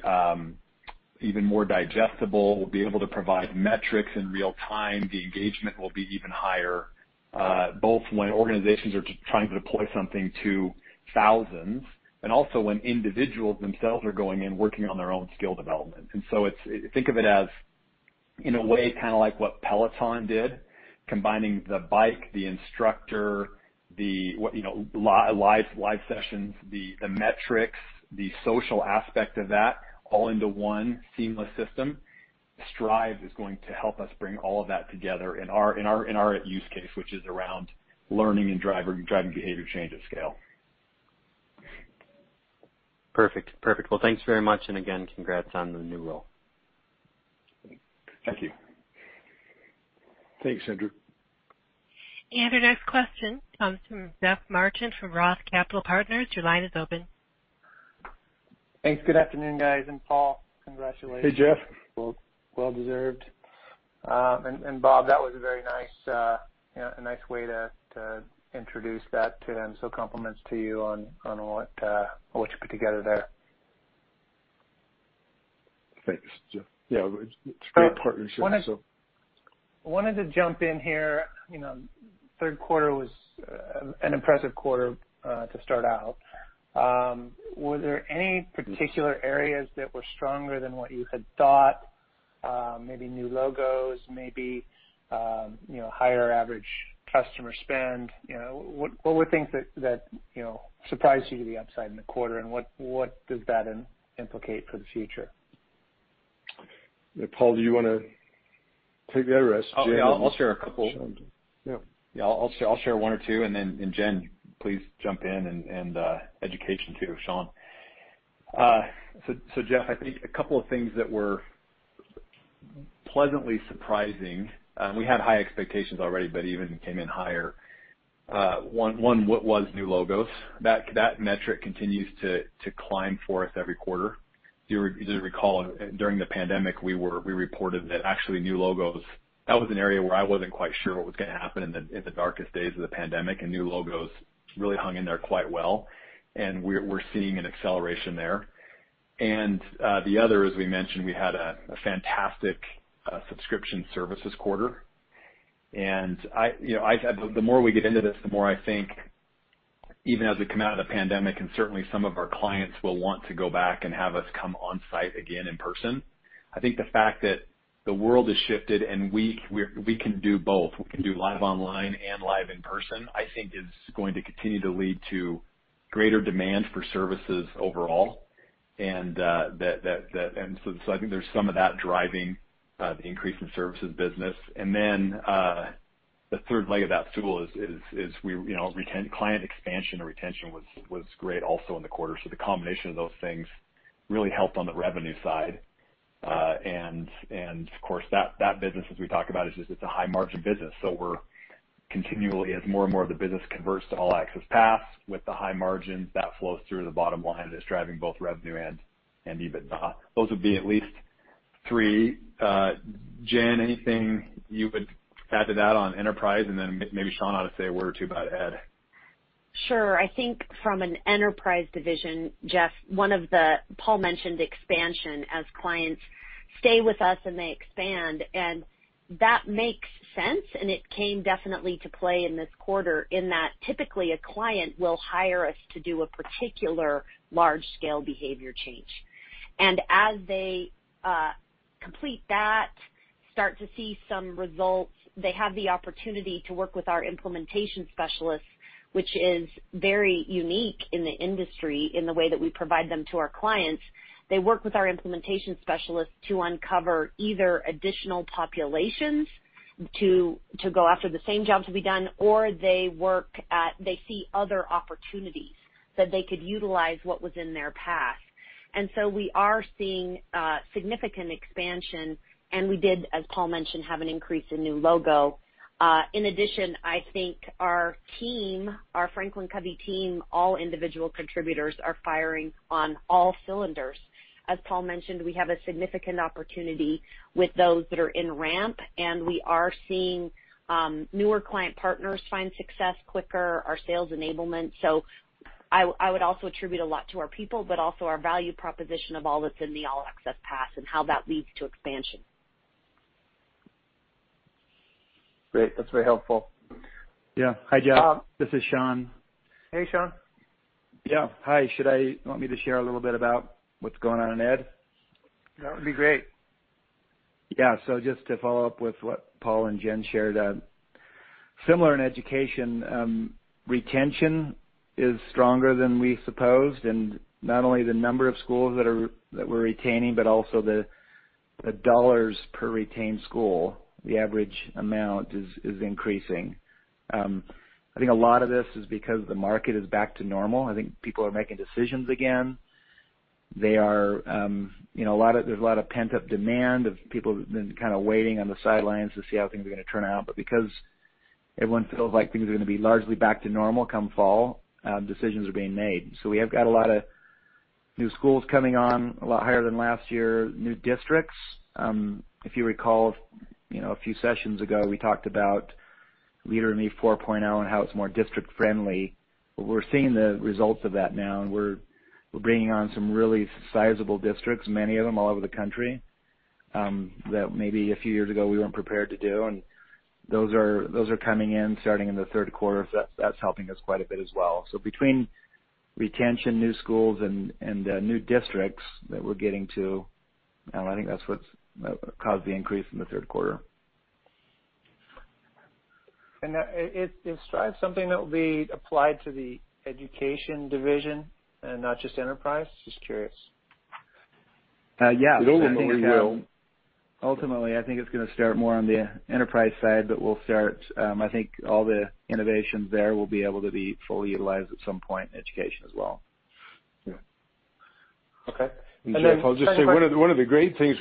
even more digestible. We'll be able to provide metrics in real time. The engagement will be even higher, both when organizations are trying to deploy something to thousands, and also when individuals themselves are going in working on their own skill development. Think of it as, in a way like what Peloton did, combining the bike, the instructor, the live sessions, the metrics, the social aspect of that all into one seamless system. Strive is going to help us bring all of that together in our use case, which is around learning and driving behavior change at scale. Perfect. Well, thanks very much and again, congrats on the new role. Thank you. Thanks, Andrew. Our next question comes from Jeff Martin from ROTH Capital Partners. Your line is open. Thanks. Good afternoon, guys, and Paul, congratulations. Hey, Jeff. Well deserved. Bob, that was a very nice way to introduce that too. Compliments to you on what you put together there. Thanks, Jeff. Yeah, it's a great partnership. I wanted to jump in here. Third quarter was an impressive quarter to start out. Were there any particular areas that were stronger than what you had thought? Maybe new logos, maybe higher average customer spend. What were things that surprised you to the upside in the quarter, and what does that implicate for the future? Yeah, Paul, do you want to take that rest? I'll share a couple. Yeah, I'll share one or two, and then Jen, please jump in and education too, Sean. Jeff, I think a couple of things that were pleasantly surprising. We had high expectations already, but even came in higher. One was new logos. That metric continues to climb for us every quarter. You'll recall during the pandemic, we reported that actually new logos, that was an area where I wasn't quite sure what was going to happen in the darkest days of the pandemic, and new logos really hung in there quite well. We're seeing an acceleration there. The other, as we mentioned, we had a fantastic subscription services quarter. The more we get into this, the more I think even as we come out of the pandemic, and certainly some of our clients will want to go back and have us come on-site again in person. I think the fact that the world has shifted and we can do both. We can do live online and live in person, I think is going to continue to lead to greater demand for services overall. I think there's some of that driving the increase in services business. The third leg of that stool is client expansion or retention was great also in the quarter. The combination of those things really helped on the revenue side. Of course, that business, as we talk about, is just it's a high margin business. We're continually, as more and more of the business converts to All Access Pass with the high margins, that flows through to the bottom line is driving both revenue and EBITDA. Those would be at least three. Jen, anything you would add to that on enterprise, and then maybe Sean want to say a word or two about ed? Sure. I think from an enterprise division, Jeff, Paul mentioned expansion as clients stay with us and they expand, and that makes sense, and it came definitely to play in this quarter in that typically a client will hire us to do a particular large-scale behavior change. As they complete that, start to see some results, they have the opportunity to work with our implementation specialists, which is very unique in the industry in the way that we provide them to our clients. They work with our implementation specialists to uncover either additional populations to go after the same jobs to be done, or they see other opportunities that they could utilize what was in their past. We are seeing significant expansion, and we did, as Paul mentioned, have an increase in new logo. In addition, I think our team, our FranklinCovey team, all individual contributors are firing on all cylinders. As Paul mentioned, we have a significant opportunity with those that are in ramp, and we are seeing newer client partners find success quicker, our sales enablement. I would also attribute a lot to our people, but also our value proposition of all that's in the All Access Pass and how that leads to expansion. Great. That's very helpful. Yeah. Hi, Jeff. This is Sean. Hey, Sean. Yeah. Hi. Should you want me to share a little bit about what's going on in ed? That would be great. Yeah. Just to follow up with what Paul and Jen shared. Similar in education, retention is stronger than we supposed, and not only the number of schools that we're retaining, but also the dollars per retained school. The average amount is increasing. I think a lot of this is because the market is back to normal. I think people are making decisions again. There's a lot of pent-up demand of people who've been kind of waiting on the sidelines to see how things are going to turn out. Because everyone feels like things are going to be largely back to normal come fall, decisions are being made. We have got a lot of new schools coming on, a lot higher than last year, new districts. If you recall, a few sessions ago, we talked about Leader in Me 4.0 and how it's more district-friendly. Well, we're seeing the results of that now, and we're bringing on some really sizable districts, many of them all over the country, that maybe a few years ago we weren't prepared to do, and those are coming in starting in the third quarter. That's helping us quite a bit as well. Between retention, new schools, and the new districts that we're getting to, I think that's what's caused the increase in the third quarter. Is Strive something that will be applied to the education division and not just enterprise? Just curious. Yeah. It ultimately will. Ultimately, I think it's going to start more on the enterprise side, but I think all the innovations there will be able to be fully utilized at some point in education as well. Okay. Jeff, I'll just say one of the great things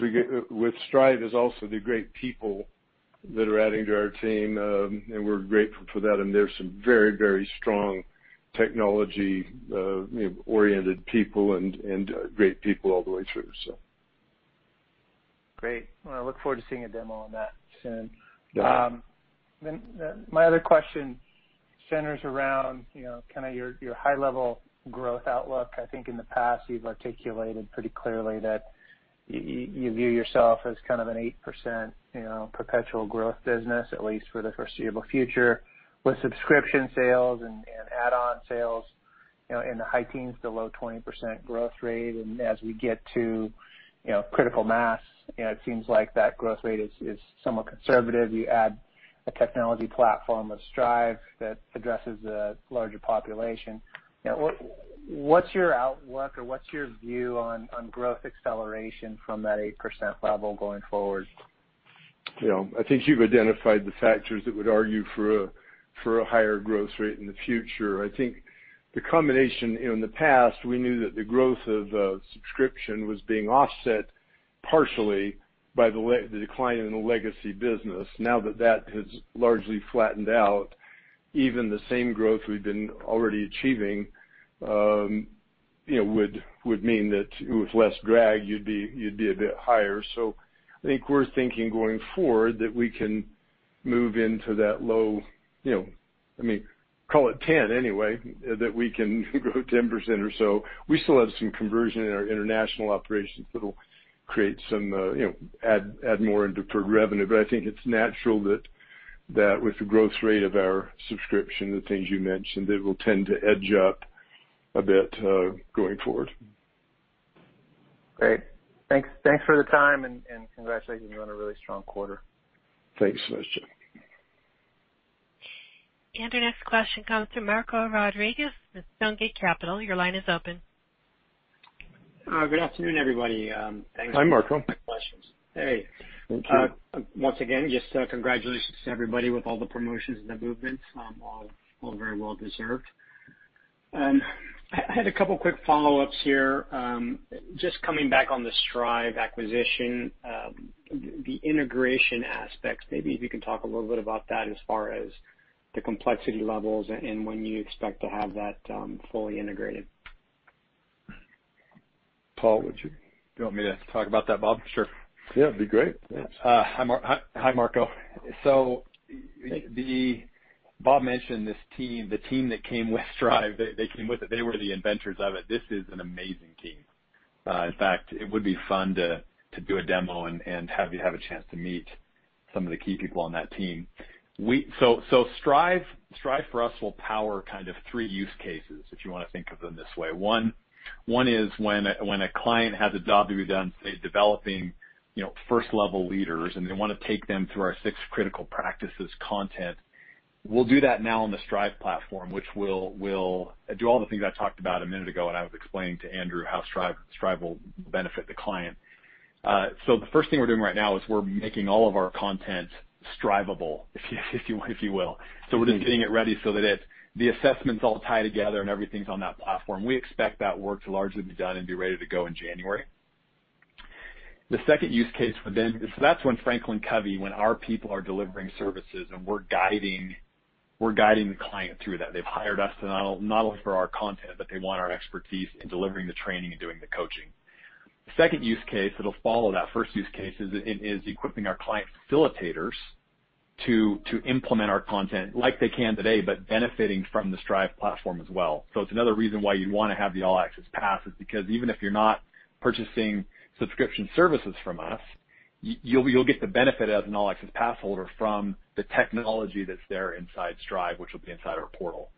with Strive is also the great people that are adding to our team. We're grateful for that, and there's some very strong technology-oriented people and great people all the way through. Great. I look forward to seeing a demo on that soon. Yeah. My other question centers around your high-level growth outlook. I think in the past, you've articulated pretty clearly that you view yourself as kind of an 8% perpetual growth business, at least for the foreseeable future, with subscription sales and add-on sales in the high teens to low 20% growth rate. As we get to critical mass, it seems like that growth rate is somewhat conservative. You add a technology platform with Strive that addresses a larger population. What's your outlook or what's your view on growth acceleration from that 8% level going forward? I think you've identified the factors that would argue for a higher growth rate in the future. I think the combination, in the past, we knew that the growth of subscription was being offset partially by the decline in the legacy business. Now that that has largely flattened out, even the same growth we've been already achieving would mean that with less drag, you'd be a bit higher. I think we're thinking going forward that we can move into that low, call it 10 anyway, that we can grow 10% or so. We still have some conversion in our international operations that'll add more into per revenue. I think it's natural that with the growth rate of our subscription, the things you mentioned, it will tend to edge up a bit going forward. Great. Thanks for the time. Congratulations on a really strong quarter. Thanks so much, Jeff. Our next question comes from Marco Rodriguez with Stonegate Capital. Your line is open. Good afternoon, everybody. Hi, Marco. Thanks for the questions. Thank you. Once again, just congratulations to everybody with all the promotions and the movements. All very well deserved. I had a couple quick follow-ups here. Just coming back on the Strive acquisition, the integration aspects, maybe if you can talk a little bit about that as far as the complexity levels and when you expect to have that fully integrated? Paul, would you? You want me to talk about that, Bob? Sure. Yeah, that'd be great. Yeah. Hi, Marco. Hey. Bob mentioned this team, the team that came with Strive, they came with it. They were the inventors of it. This is an amazing team. In fact, it would be fun to do a demo and have you have a chance to meet some of the key people on that team. Strive for us will power kind of three use cases, if you want to think of them this way. One is when a client has a job to be done, say, developing first-level leaders, and they want to take them through our six Critical Practices content. We'll do that now on the Strive platform, which will do all the things I talked about a minute ago when I was explaining to Andrew how Strive will benefit the client. The first thing we're doing right now is we're making all of our content Striveable, if you will. We're just getting it ready so that the assessments all tie together and everything's on that platform. We expect that work to largely be done and be ready to go in January. That's when FranklinCovey, when our people are delivering services and we're guiding the client through that. They've hired us not only for our content, but they want our expertise in delivering the training and doing the coaching. The second use case that'll follow that first use case is equipping our client facilitators to implement our content like they can today, but benefiting from the Strive platform as well. It's another reason why you'd want to have the All Access Pass is because even if you're not purchasing subscription services from us, you'll get the benefit as an All Access Pass holder from the technology that's there inside Strive, which will be inside our portal.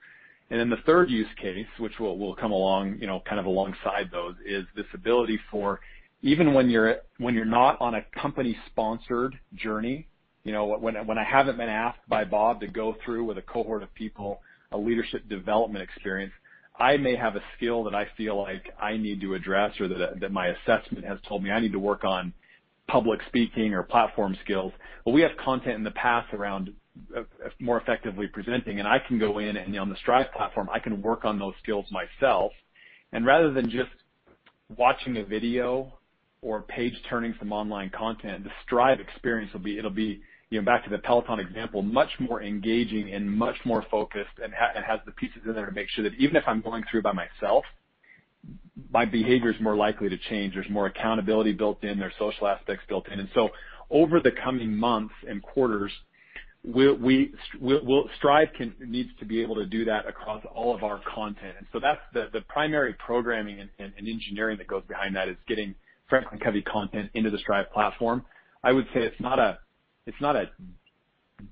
The third use case, which will come along alongside those, is this ability for even when you're not on a company-sponsored journey, when I haven't been asked by Bob to go through with a cohort of people, a leadership development experience, I may have a skill that I feel like I need to address or that my assessment has told me I need to work on public speaking or platform skills. Well, we have content in the past around more effectively presenting, and I can go in and on the Strive platform, I can work on those skills myself. Rather than just watching a video or page-turning some online content, the Strive experience will be, back to the Peloton example, much more engaging and much more focused and has the pieces in there to make sure that even if I'm going through by myself, my behavior is more likely to change. There's more accountability built in. There's social aspects built in. Over the coming months and quarters, Strive needs to be able to do that across all of our content. That's the primary programming and engineering that goes behind that is getting FranklinCovey content into the Strive platform. I would say it's not a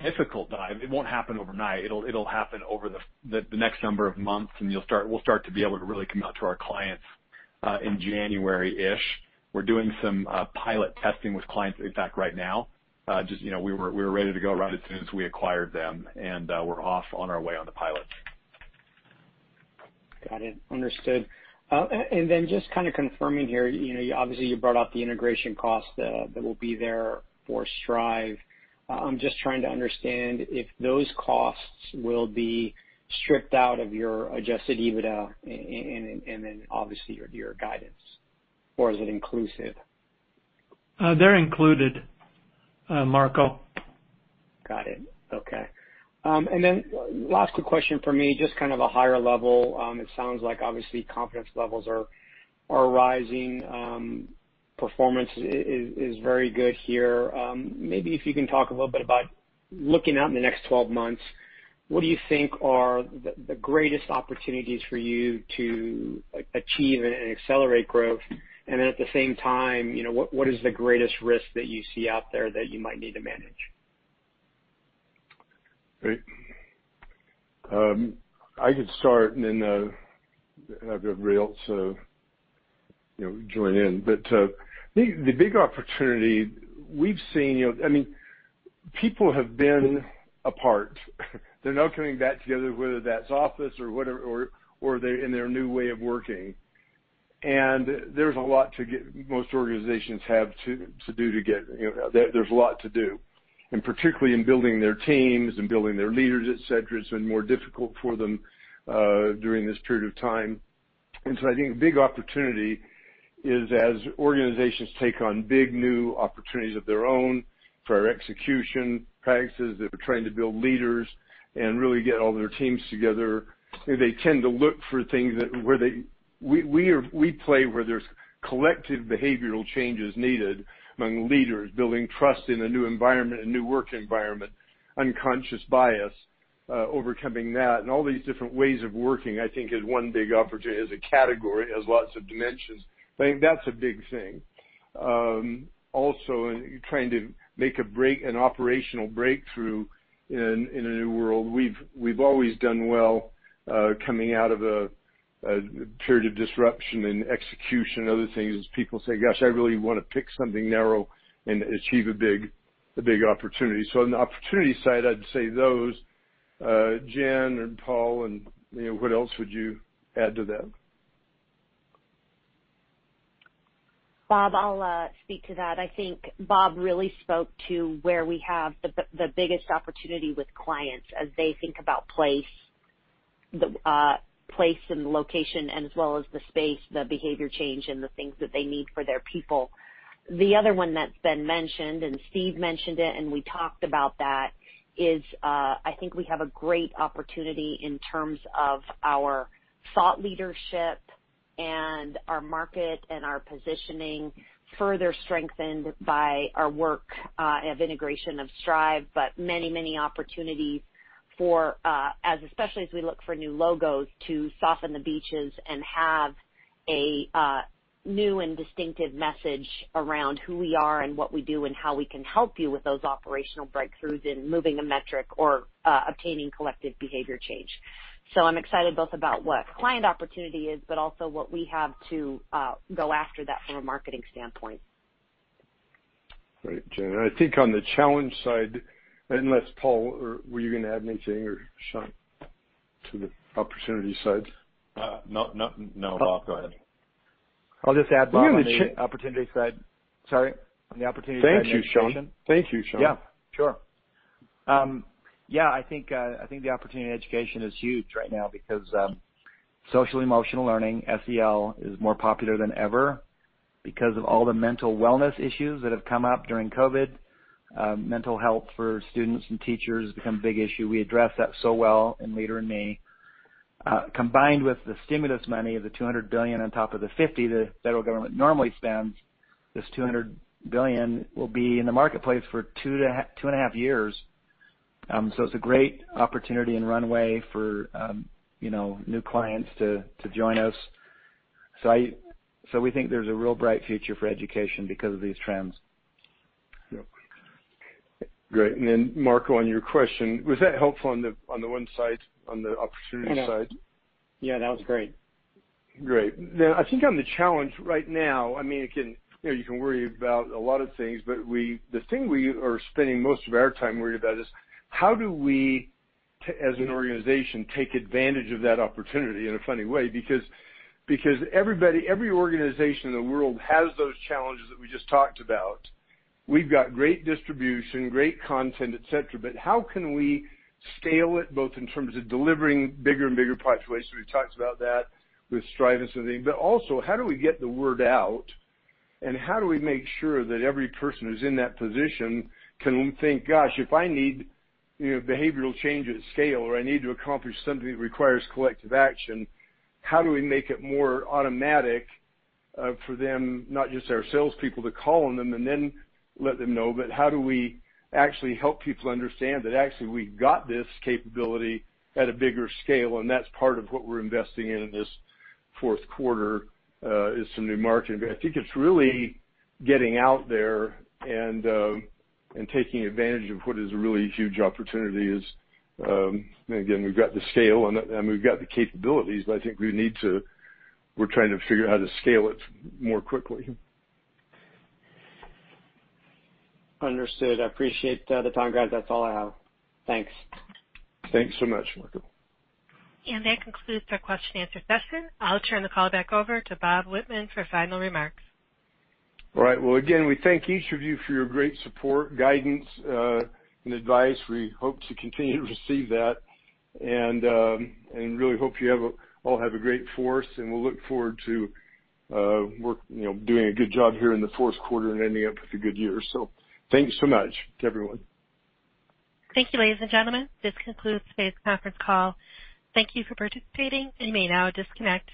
difficult dive. It won't happen overnight. It'll happen over the next number of months, and we'll start to be able to really come out to our clients in January-ish. We're doing some pilot testing with clients, in fact, right now. We were ready to go right as soon as we acquired them, and we're off on our way on the pilot. Got it. Understood. Then just confirming here, obviously you brought up the integration cost that will be there for Strive. I'm just trying to understand if those costs will be stripped out of your adjusted EBITDA and then obviously your guidance, or is it inclusive? They're included, Marco. Got it. Okay. Last quick question for me, just kind of a higher level. It sounds like obviously confidence levels are rising. Performance is very good here. Maybe if you can talk a little bit about looking out in the next 12 months, what do you think are the greatest opportunities for you to achieve and accelerate growth? At the same time, what is the greatest risk that you see out there that you might need to manage? Great. I could start and then have everybody else join in. The big opportunity we've seen, people have been apart. They're now coming back together, whether that's office or in their new way of working. There's a lot to get most organizations have to do. There's a lot to do, and particularly in building their teams and building their leaders, et cetera, it's been more difficult for them during this period of time. I think a big opportunity is as organizations take on big new opportunities of their own for our execution practices, they're trying to build leaders and really get all their teams together. They tend to look for things. We play where there's collective behavioral changes needed among leaders, building trust in a new environment, a new work environment, unconscious bias, overcoming that, and all these different ways of working. I think is one big opportunity as a category, has lots of dimensions. I think that's a big thing. Also, in trying to make an operational breakthrough in a new world. We've always done well coming out of a period of disruption and execution, other things as people say, Gosh, I really want to pick something narrow and achieve a big opportunity. On the opportunity side, I'd say those. Jen and Paul, what else would you add to that? Bob, I'll speak to that. I think Bob really spoke to where we have the biggest opportunity with clients as they think about place and location, and as well as the space, the behavior change, and the things that they need for their people. The other one that's been mentioned, and Steve mentioned it, and we talked about that, is I think we have a great opportunity in terms of our thought leadership and our market and our positioning further strengthened by our work of integration of Strive. Many opportunities for, especially as we look for new logos to soften the beaches and have a new and distinctive message around who we are and what we do and how we can help you with those operational breakthroughs in moving a metric or obtaining collective behavior change. I'm excited both about what client opportunity is, but also what we have to go after that from a marketing standpoint. Great, Jen. I think on the challenge side, unless Paul, were you going to add anything or Sean to the opportunity side? No Bob, go ahead. I'll just add, Bob, on the opportunity side. Thank you, Sean. Yeah. Sure. I think the opportunity in education is huge right now because social emotional learning, SEL, is more popular than ever because of all the mental wellness issues that have come up during COVID. Mental health for students and teachers has become a big issue. We address that so well in Leader in Me. Combined with the stimulus money of the $200 billion on top of the $50 the federal government normally spends, this $200 billion will be in the marketplace for two and a half years. It's a great opportunity and runway for new clients to join us. We think there's a real bright future for education because of these trends. Yep. Great. Marco, on your question, was that helpful on the one side, on the opportunity side? Yeah, no, it was great. Great. I think on the challenge right now, you can worry about a lot of things, but the thing we are spending most of our time worried about is how do we, as an organization, take advantage of that opportunity in a funny way? Every organization in the world has those challenges that we just talked about. We've got great distribution, great content, et cetera, but how can we scale it both in terms of delivering bigger and bigger populations? We've talked about that with Strive and some things. Also, how do we get the word out, and how do we make sure that every person who's in that position can think, Gosh, if I need behavioral change at scale, or I need to accomplish something that requires collective action, how do we make it more automatic for them, not just our salespeople to call on them and then let them know, but how do we actually help people understand that actually we got this capability at a bigger scale, and that's part of what we're investing in this fourth quarter is some new marketing. I think it's really getting out there and taking advantage of what is a really huge opportunity is, and again, we've got the scale and we've got the capabilities, but I think we're trying to figure out how to scale it more quickly. Understood. I appreciate the time, guys. I follow Al. Thanks. Thanks so much, Marco. That concludes our question and answer session. I'll turn the call back over to Bob Whitman for final remarks. All right. Well, again, we thank each of you for your great support, guidance, and advice. We hope to continue to receive that, and really hope you all have a great fourth, and we'll look forward to doing a good job here in the fourth quarter and ending up with a good year. Thanks so much to everyone. Thank you, ladies and gentlemen. This concludes today's conference call. Thank you for participating. You may now disconnect.